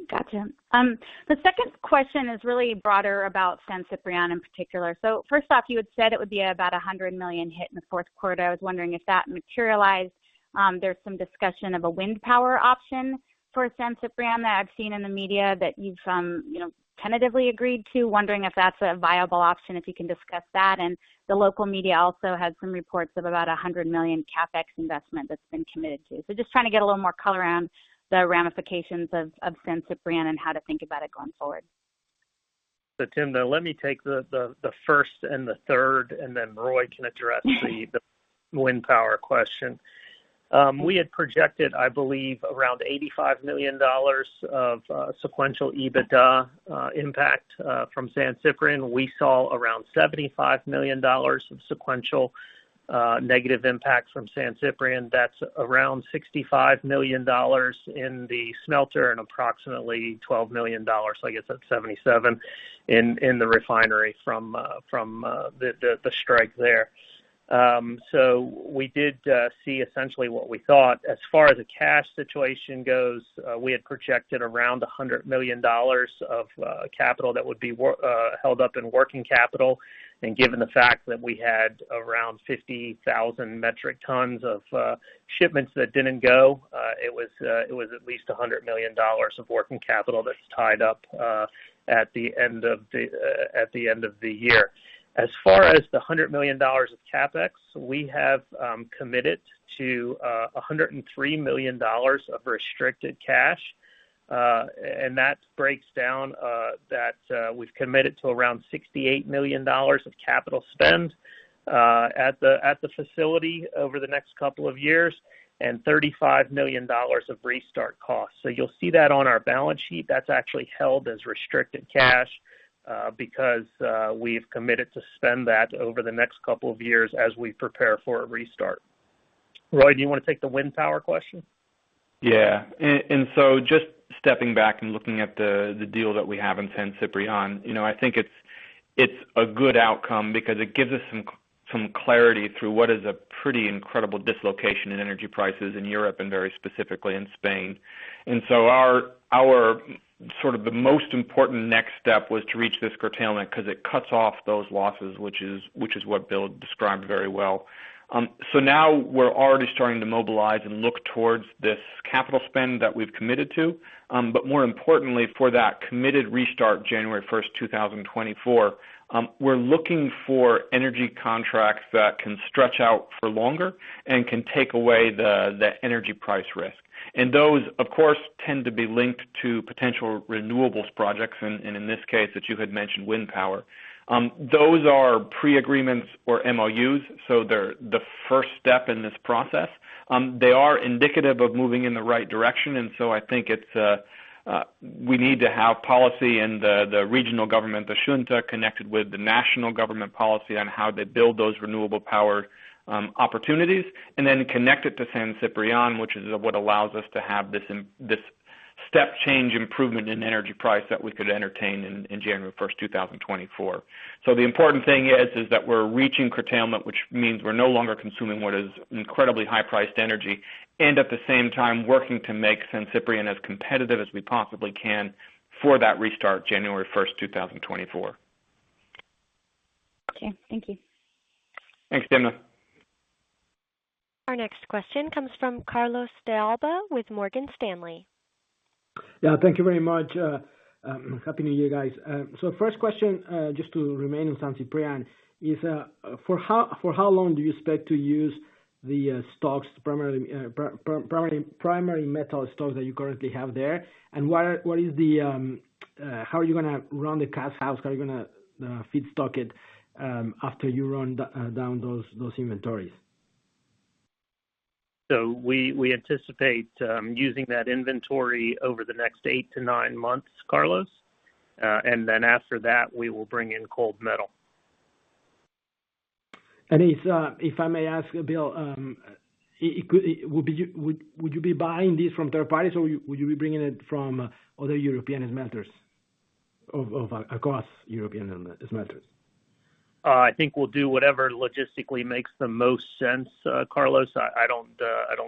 Gotcha. The second question is really broader about San Ciprián in particular. First off, you had said it would be about $100 million hit in the fourth quarter. I was wondering if that materialized. There's some discussion of a wind power option for San Ciprián that I've seen in the media that you've, you know, tentatively agreed to. Wondering if that's a viable option, if you can discuss that. The local media also had some reports of about $100 million CapEx investment that's been committed to. Just trying to get a little more color around the ramifications of San Ciprián and how to think about it going forward. Timna, let me take the first and the third, and then Roy can address the wind power question. We had projected, I believe, around $85 million of sequential EBITDA impact from San Ciprián. We saw around $75 million of sequential negative impact from San Ciprián. That's around $65 million in the smelter and approximately $12 million, so I guess that's 77 in the refinery from the strike there. We did see essentially what we thought. As far as the cash situation goes, we had projected around $100 million of capital that would be held up in working capital. Given the fact that we had around 50,000 metric tons of shipments that didn't go, it was at least $100 million of working capital that's tied up at the end of the year. As far as the $100 million of CapEx, we have committed to $103 million of restricted cash. And that breaks down, we've committed to around $68 million of capital spend at the facility over the next couple of years, and $35 million of restart costs. You'll see that on our balance sheet. That's actually held as restricted cash, because we've committed to spend that over the next couple of years as we prepare for a restart. Roy, do you want to take the wind power question? Just stepping back and looking at the deal that we have in San Ciprián, you know, I think it's a good outcome because it gives us some clarity through what is a pretty incredible dislocation in energy prices in Europe and very specifically in Spain. Our sort of the most important next step was to reach this curtailment because it cuts off those losses, which is what Bill described very well. Now we're already starting to mobilize and look towards this capital spend that we've committed to. More importantly, for that committed restart January 1, 2024, we're looking for energy contracts that can stretch out for longer and can take away the energy price risk. Those, of course, tend to be linked to potential renewables projects and in this case that you had mentioned, wind power. Those are pre-agreements or MOUs, so they're the first step in this process. They are indicative of moving in the right direction. I think it's we need to have policy and the regional government, the Xunta, connected with the national government policy on how they build those renewable power opportunities, and then connect it to San Ciprián, which is what allows us to have this step change improvement in energy price that we could entertain in January 1, 2024. Okay, thank you. Thanks, Timna. Our next question comes from Carlos de Alba with Morgan Stanley. Yeah, thank you very much. Happy New Year, guys. First question, just to remain on San Ciprián, for how long do you expect to use the primary metal stocks that you currently have there? And how are you gonna run the cast house? How are you gonna feedstock it after you run down those inventories? We anticipate using that inventory over the next 8-9 months, Carlos. After that, we will bring in cold metal. If I may ask Bill, would you be buying these from third parties, or would you be bringing it from other European smelters across European smelters? I think we'll do whatever logistically makes the most sense, Carlos. I don't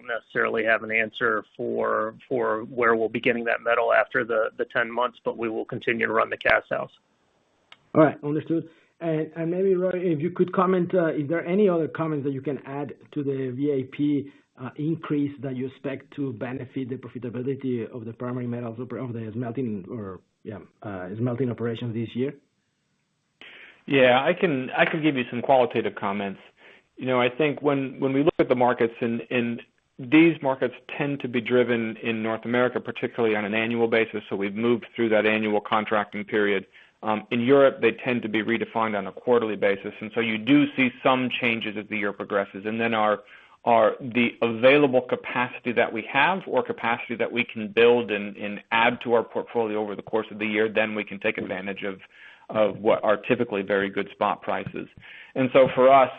necessarily have an answer for where we'll be getting that metal after the 10 months, but we will continue to run the cast house. All right. Understood. Maybe, Roy, if you could comment, is there any other comments that you can add to the VAP increase that you expect to benefit the profitability of the primary metals of the smelting operations this year? Yeah, I can give you some qualitative comments. You know, I think when we look at the markets and these markets tend to be driven in North America, particularly on an annual basis, so we've moved through that annual contracting period. In Europe, they tend to be redefined on a quarterly basis. So you do see some changes as the year progresses. Then the available capacity that we have or capacity that we can build and add to our portfolio over the course of the year, then we can take advantage of what are typically very good spot prices. For us,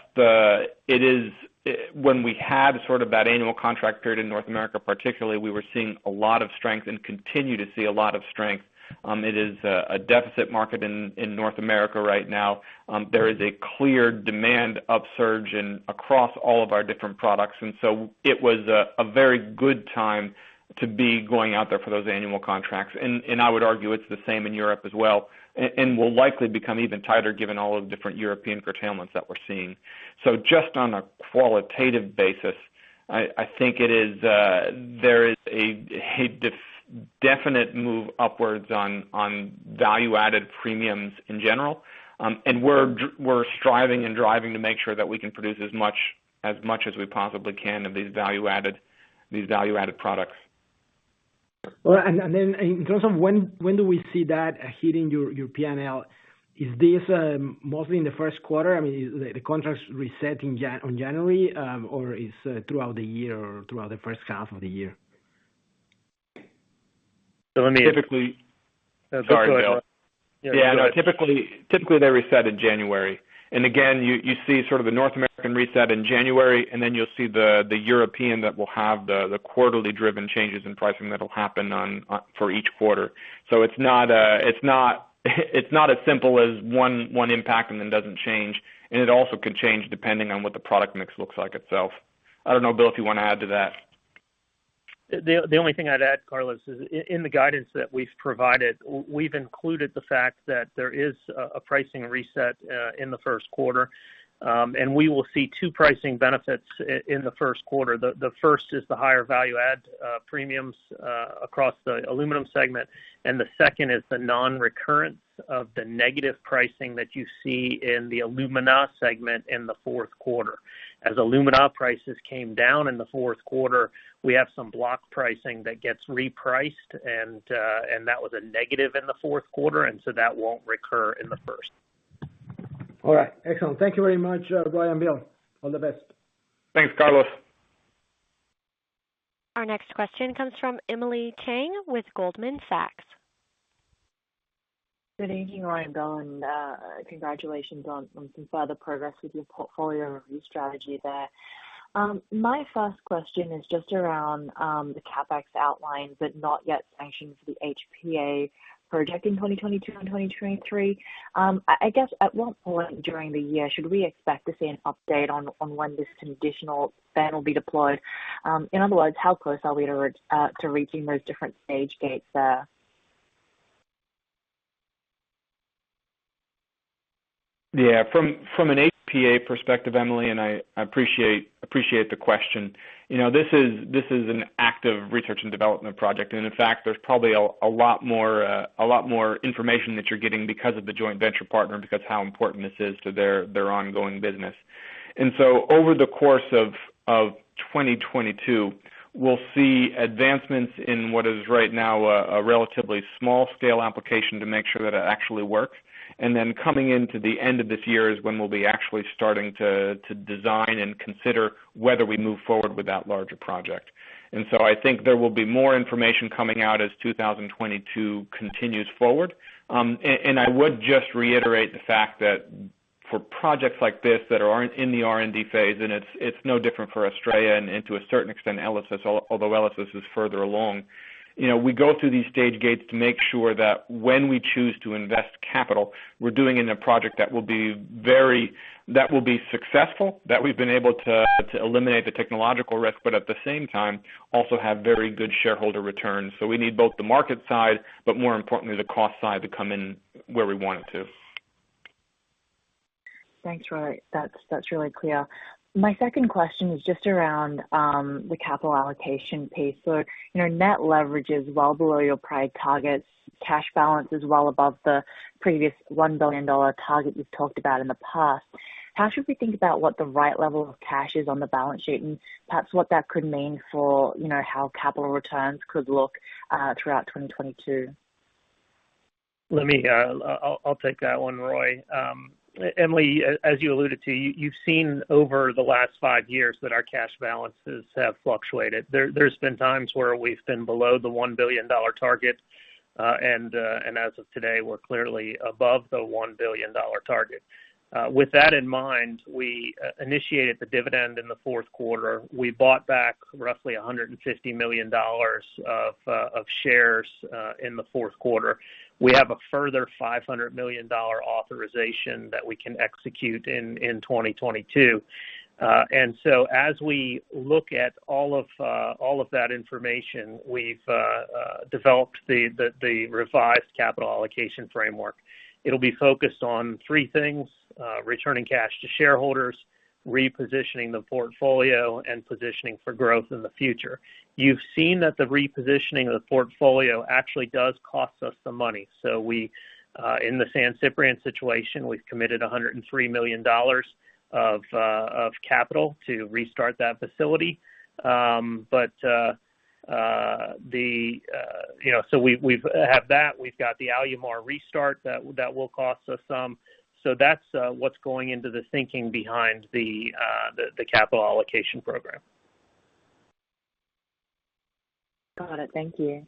when we had sort of that annual contract period in North America particularly, we were seeing a lot of strength and continue to see a lot of strength. It is a deficit market in North America right now. There is a clear demand upsurge across all of our different products, and it was a very good time to be going out there for those annual contracts. I would argue it's the same in Europe as well, and will likely become even tighter given all of the different European curtailments that we're seeing. Just on a qualitative basis, I think there is a definite move upwards on value-added premiums in general. We're striving and driving to make sure that we can produce as much as we possibly can of these value-added products. Well, in terms of when do we see that hitting your P&L? Is this mostly in the first quarter? I mean, is the contracts reset on January, or is throughout the year or throughout the first half of the year? So let me- Typically. Sorry, Bill. Yeah, go ahead. Yeah, no, typically they reset in January. Again, you see sort of the North American reset in January, and then you'll see the European that will have the quarterly driven changes in pricing that'll happen on for each quarter. It's not as simple as one impact and then doesn't change. It also can change depending on what the product mix looks like itself. I don't know, Bill, if you want to add to that. The only thing I'd add, Carlos, is in the guidance that we've provided, we've included the fact that there is a pricing reset in the first quarter. We will see two pricing benefits in the first quarter. The first is the higher value add premiums across the aluminum segment, and the second is the non-recurrence of the negative pricing that you see in the alumina segment in the fourth quarter. As alumina prices came down in the fourth quarter, we have some block pricing that gets repriced and that was a negative in the fourth quarter, so that won't recur in the first. All right. Excellent. Thank you very much, Roy and Bill. All the best. Thanks, Carlos. Our next question comes from Emily Chieng with Goldman Sachs. Good evening, Roy and Bill, and congratulations on some further progress with your portfolio review strategy there. My first question is just around the CapEx outlined but not yet sanctioned HPA project in 2022 and 2023. I guess at what point during the year should we expect to see an update on when this additional spend will be deployed? In other words, how close are we to reaching those different stage gates there? Yeah. From an HPA perspective, Emily, and I appreciate the question. You know, this is an active research and development project, and in fact, there's probably a lot more information that you're getting because of the joint venture partner and because how important this is to their ongoing business. Over the course of 2022, we'll see advancements in what is right now a relatively small scale application to make sure that it actually works. Coming into the end of this year is when we'll be actually starting to design and consider whether we move forward with that larger project. I think there will be more information coming out as 2022 continues forward. I would just reiterate the fact that for projects like this that are in the R&D phase, and it's no different for Australia and to a certain extent, ELYSIS, although ELYSIS is further along. You know, we go through these stage gates to make sure that when we choose to invest capital, we're doing it in a project that will be successful, that we've been able to eliminate the technological risk, but at the same time, also have very good shareholder returns. We need both the market side, but more importantly, the cost side to come in where we want it to. Thanks, Roy. That's really clear. My second question is just around the capital allocation pace. You know, net leverage is well below your prior targets. Cash balance is well above the previous $1 billion target you've talked about in the past. How should we think about what the right level of cash is on the balance sheet, and perhaps what that could mean for, you know, how capital returns could look throughout 2022? I'll take that one, Roy. Emily, as you alluded to, you've seen over the last five years that our cash balances have fluctuated. There's been times where we've been below the $1 billion target. As of today, we're clearly above the $1 billion target. With that in mind, we initiated the dividend in the fourth quarter. We bought back roughly $150 million of shares in the fourth quarter. We have a further $500 million authorization that we can execute in 2022. As we look at all of that information, we've developed the revised capital allocation framework. It'll be focused on three things, returning cash to shareholders, repositioning the portfolio, and positioning for growth in the future. You've seen that the repositioning of the portfolio actually does cost us some money. We in the San Ciprián situation, we've committed $103 million of capital to restart that facility. But. You know, we have that. We've got the Alumar restart that will cost us some. That's what's going into the thinking behind the capital allocation program. Got it. Thank you.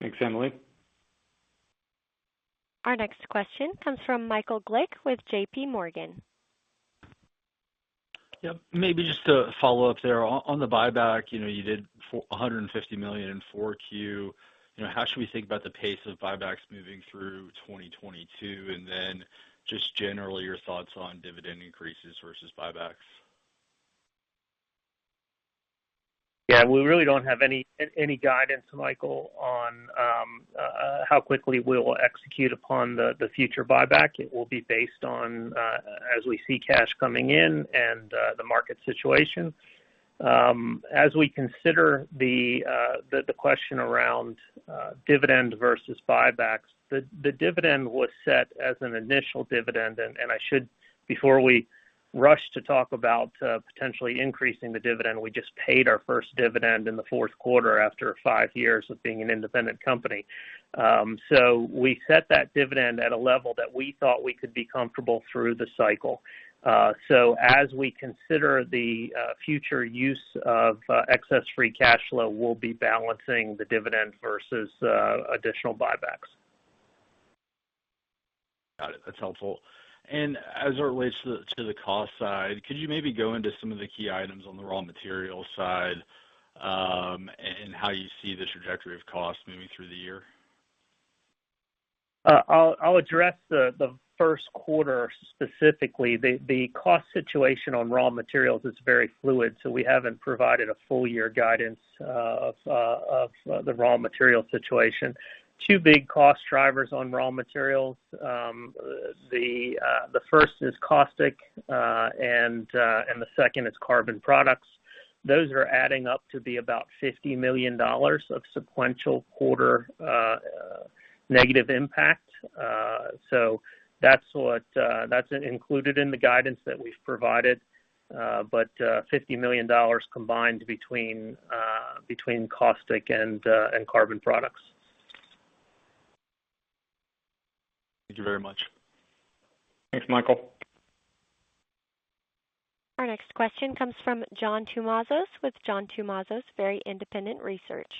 Thanks, Emily. Our next question comes from Michael Glick with JPMorgan. Yeah. Maybe just to follow up there. On the buyback, you know, you did $150 million in 4Q. You know, how should we think about the pace of buybacks moving through 2022? Just generally your thoughts on dividend increases versus buybacks. Yeah. We really don't have any guidance, Michael, on how quickly we'll execute upon the future buyback. It will be based on as we see cash coming in and the market situation. As we consider the question around dividend versus buybacks, the dividend was set as an initial dividend. Before we rush to talk about potentially increasing the dividend, we just paid our first dividend in the fourth quarter after five years of being an independent company. So we set that dividend at a level that we thought we could be comfortable through the cycle. So as we consider the future use of excess free cash flow, we'll be balancing the dividend versus additional buybacks. Got it. That's helpful. As it relates to the cost side, could you maybe go into some of the key items on the raw material side, and how you see the trajectory of costs moving through the year? I'll address the first quarter specifically. The cost situation on raw materials is very fluid, so we haven't provided a full year guidance of the raw material situation. Two big cost drivers on raw materials. The first is caustic, and the second is carbon products. Those are adding up to be about $50 million of sequential quarter negative impact. So that's included in the guidance that we've provided. But $50 million combined between caustic and carbon products. Thank you very much. Thanks, Michael. Our next question comes from John Tumazos with John Tumazos Very Independent Research.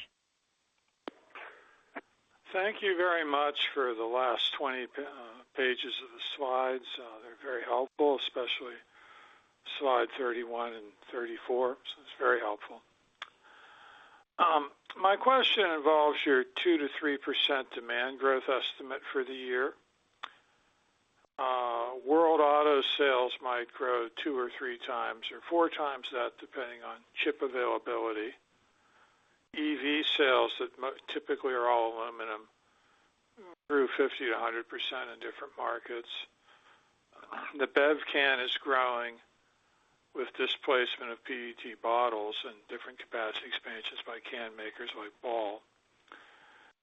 Thank you very much for the last 20 pages of the slides. They're very helpful, especially slide 31 and 34. It's very helpful. My question involves your 2%-3% demand growth estimate for the year. World auto sales might grow two or three times or four times that depending on chip availability. EV sales that typically are all aluminum grew 50%-100% in different markets. The bev can is growing with displacement of PET bottles and different capacity expansions by can makers like Ball.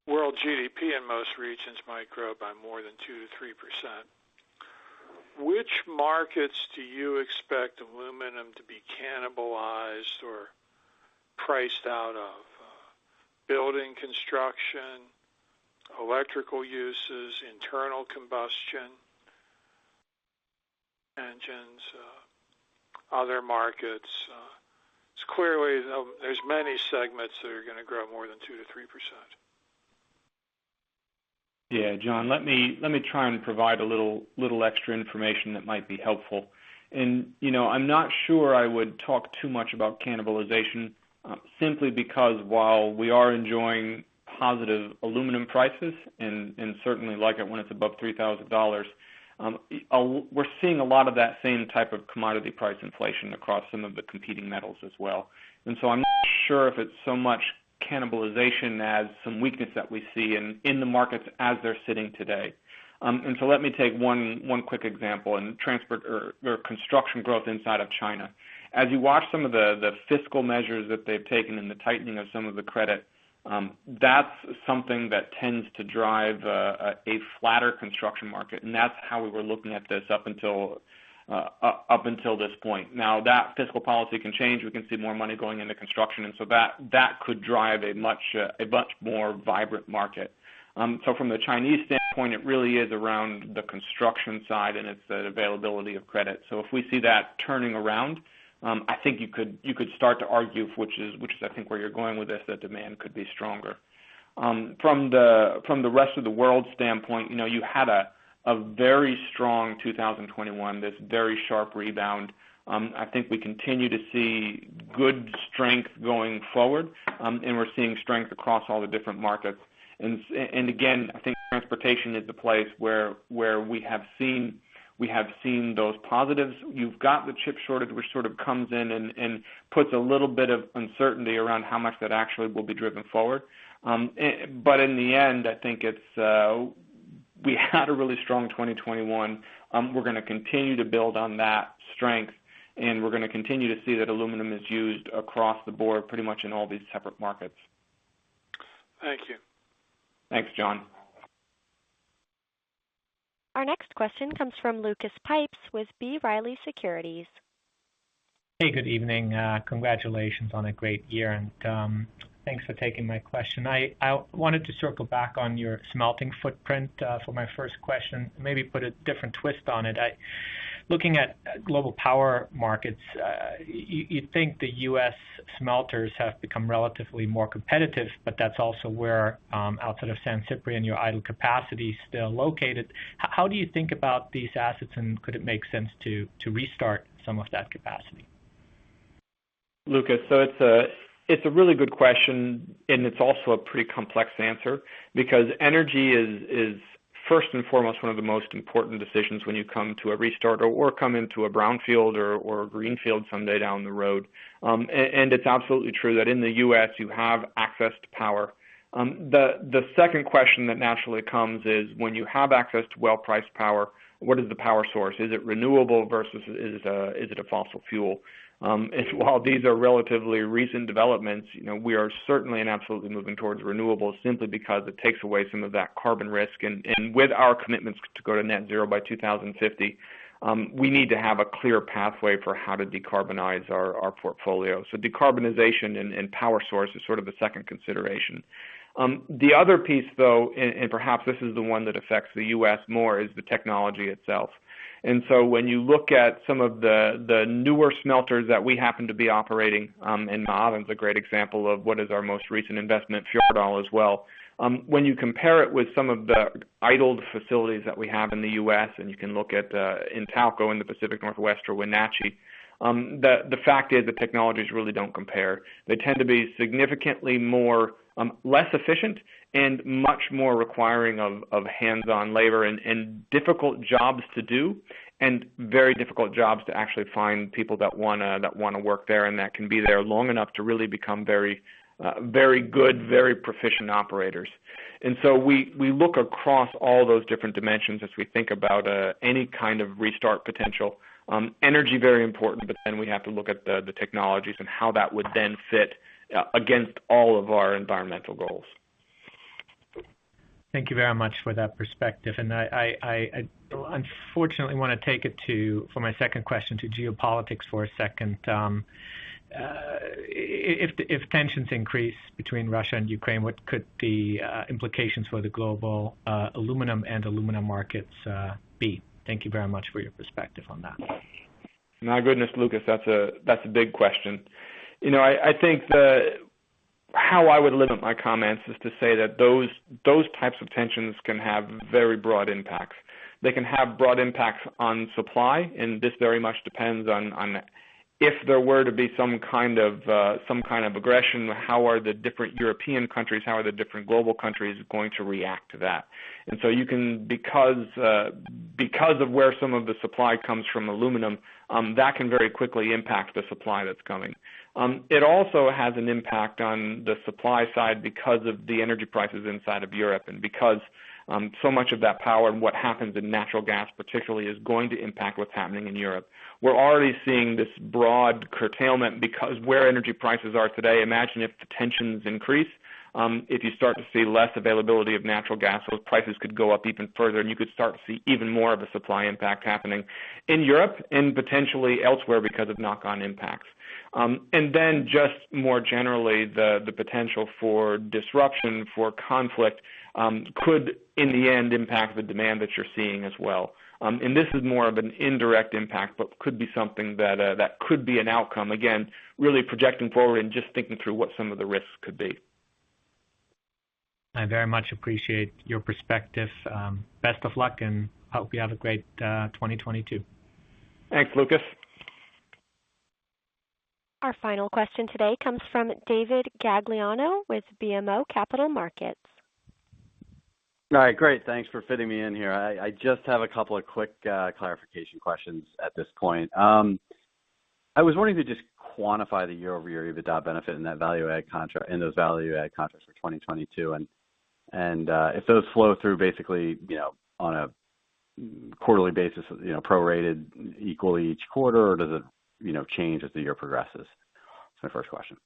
World GDP in most regions might grow by more than 2%-3%. Which markets do you expect aluminum to be cannibalized or priced out of? Building construction, electrical uses, internal combustion engines, other markets. It's clearly there's many segments that are gonna grow more than 2%-3%. Yeah, John, let me try and provide a little extra information that might be helpful. You know, I'm not sure I would talk too much about cannibalization, simply because while we are enjoying positive aluminum prices and certainly like it when it's above $3,000, we're seeing a lot of that same type of commodity price inflation across some of the competing metals as well. I'm not sure if it's so much cannibalization as some weakness that we see in the markets as they're sitting today. Let me take one quick example in transport or construction growth inside of China. As you watch some of the fiscal measures that they've taken and the tightening of some of the credit, that's something that tends to drive a flatter construction market, and that's how we were looking at this up until this point. Now that fiscal policy can change, we can see more money going into construction, and that could drive a much more vibrant market. From the Chinese standpoint, it really is around the construction side, and it's the availability of credit. If we see that turning around, I think you could start to argue, which is I think where you're going with this, that demand could be stronger. From the rest of the world standpoint, you know, you had a very strong 2021, this very sharp rebound. I think we continue to see good strength going forward, and we're seeing strength across all the different markets. Again, I think transportation is the place where we have seen those positives. You've got the chip shortage, which sort of comes in and puts a little bit of uncertainty around how much that actually will be driven forward. In the end, I think it's we had a really strong 2021. We're gonna continue to build on that strength, and we're gonna continue to see that aluminum is used across the board pretty much in all these separate markets. Thank you. Thanks, John. Our next question comes from Lucas Pipes with B. Riley Securities. Hey, good evening. Congratulations on a great year, and thanks for taking my question. I wanted to circle back on your smelting footprint for my first question. Maybe put a different twist on it. Looking at global power markets, you'd think the U.S. smelters have become relatively more competitive, but that's also where, outside of San Ciprián, your idle capacity is still located. How do you think about these assets, and could it make sense to restart some of that capacity? Lucas, it's a really good question, and it's also a pretty complex answer because energy is first and foremost one of the most important decisions when you come to a restart or come into a brownfield or a greenfield someday down the road. And it's absolutely true that in the U.S. you have access to power. The second question that naturally comes is when you have access to well-priced power, what is the power source? Is it renewable versus is it a fossil fuel? While these are relatively recent developments, you know, we are certainly and absolutely moving towards renewables simply because it takes away some of that carbon risk. With our commitments to go to net zero by 2050, we need to have a clear pathway for how to decarbonize our portfolio. Decarbonization and power source is sort of the second consideration. The other piece, though, perhaps this is the one that affects the U.S. more, is the technology itself. When you look at some of the newer smelters that we happen to be operating, in Ma'aden is a great example of what is our most recent investment, Fjarðaál as well. When you compare it with some of the idled facilities that we have in the U.S., and you can look at Intalco in the Pacific Northwest or Wenatchee, the fact is the technologies really don't compare. They tend to be significantly less efficient and much more requiring of hands-on labor and difficult jobs to do and very difficult jobs to actually find people that wanna work there and that can be there long enough to really become very good, very proficient operators. We look across all those different dimensions as we think about any kind of restart potential. Energy, very important, but then we have to look at the technologies and how that would then fit against all of our environmental goals. Thank you very much for that perspective. I unfortunately wanna take it to geopolitics for my second question, for a second. If tensions increase between Russia and Ukraine, what could the implications for the global aluminum markets be? Thank you very much for your perspective on that. My goodness, Lucas, that's a big question. How I would limit my comments is to say that those types of tensions can have very broad impacts. They can have broad impacts on supply, and this very much depends on if there were to be some kind of aggression, how are the different European countries, how are the different global countries going to react to that? You can because of where some of the supply comes from aluminum, that can very quickly impact the supply that's coming. It also has an impact on the supply side because of the energy prices inside of Europe. Because so much of that power and what happens in natural gas particularly is going to impact what's happening in Europe. We're already seeing this broad curtailment because where energy prices are today, imagine if the tensions increase, if you start to see less availability of natural gas, those prices could go up even further, and you could start to see even more of a supply impact happening in Europe and potentially elsewhere because of knock-on impacts. Just more generally, the potential for disruption, for conflict could, in the end, impact the demand that you're seeing as well. This is more of an indirect impact, but could be something that could be an outcome, again, really projecting forward and just thinking through what some of the risks could be. I very much appreciate your perspective. Best of luck, and I hope you have a great 2022. Thanks, Lucas. Our final question today comes from David Gagliano with BMO Capital Markets. All right. Great. Thanks for fitting me in here. I just have a couple of quick clarification questions at this point. I was wondering if you could just quantify the year-over-year EBITDA benefit in those value-add contracts for 2022, and if those flow through basically, you know, on a quarterly basis, you know, prorated equally each quarter or does it, you know, change as the year progresses? That's my first question.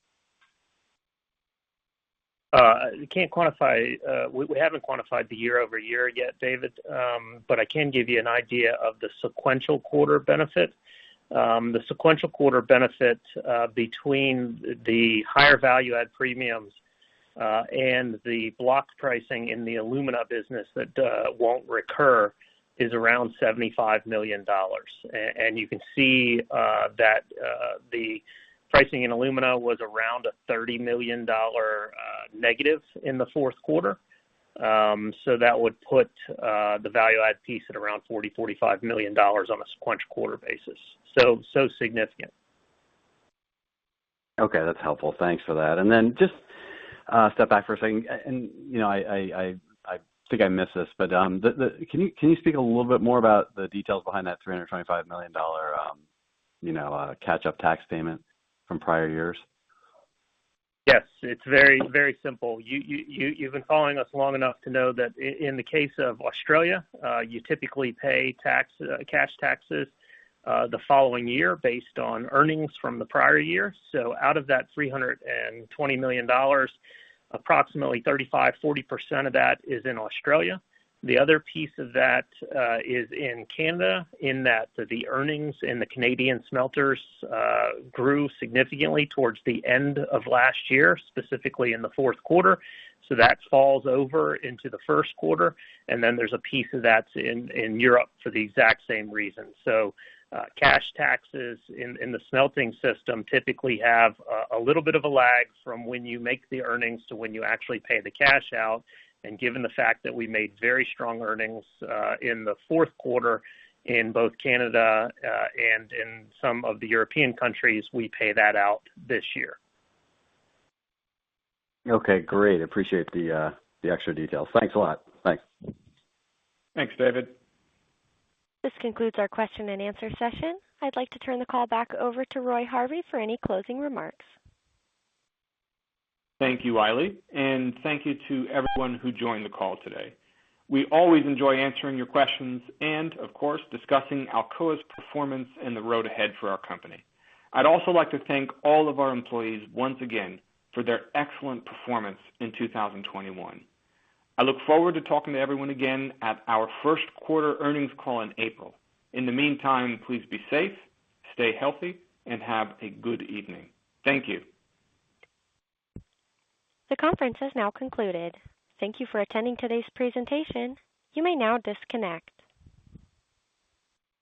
We can't quantify. We haven't quantified the year-over-year yet, David. I can give you an idea of the sequential quarter benefit. The sequential quarter benefit between the higher value add premiums and the block pricing in the alumina business that won't recur is around $75 million. You can see that the pricing in alumina was around a $30 million negative in the fourth quarter. That would put the value add piece at around $40 million-$45 million on a sequential quarter basis. Significant. Okay. That's helpful. Thanks for that. Just step back for a second. You know, I think I missed this, but can you speak a little bit more about the details behind that $325 million catch-up tax payment from prior years? Yes. It's very, very simple. You've been following us long enough to know that in the case of Australia, you typically pay tax, cash taxes, the following year based on earnings from the prior year. Out of that $320 million, approximately 35%-40% of that is in Australia. The other piece of that is in Canada, in that the earnings in the Canadian smelters grew significantly towards the end of last year, specifically in the fourth quarter. That falls over into the first quarter. Then there's a piece of that's in Europe for the exact same reason. Cash taxes in the smelting system typically have a little bit of a lag from when you make the earnings to when you actually pay the cash out. Given the fact that we made very strong earnings in the fourth quarter in both Canada and in some of the European countries, we pay that out this year. Okay, great. Appreciate the extra details. Thanks a lot. Bye. Thanks, David. This concludes our question-and-answer session. I'd like to turn the call back over to Roy Harvey for any closing remarks. Thank you, Riley. Thank you to everyone who joined the call today. We always enjoy answering your questions and, of course, discussing Alcoa's performance and the road ahead for our company. I'd also like to thank all of our employees once again for their excellent performance in 2021. I look forward to talking to everyone again at our first quarter earnings call in April. In the meantime, please be safe, stay healthy, and have a good evening. Thank you. The conference has now concluded. Thank you for attending today's presentation. You may now disconnect.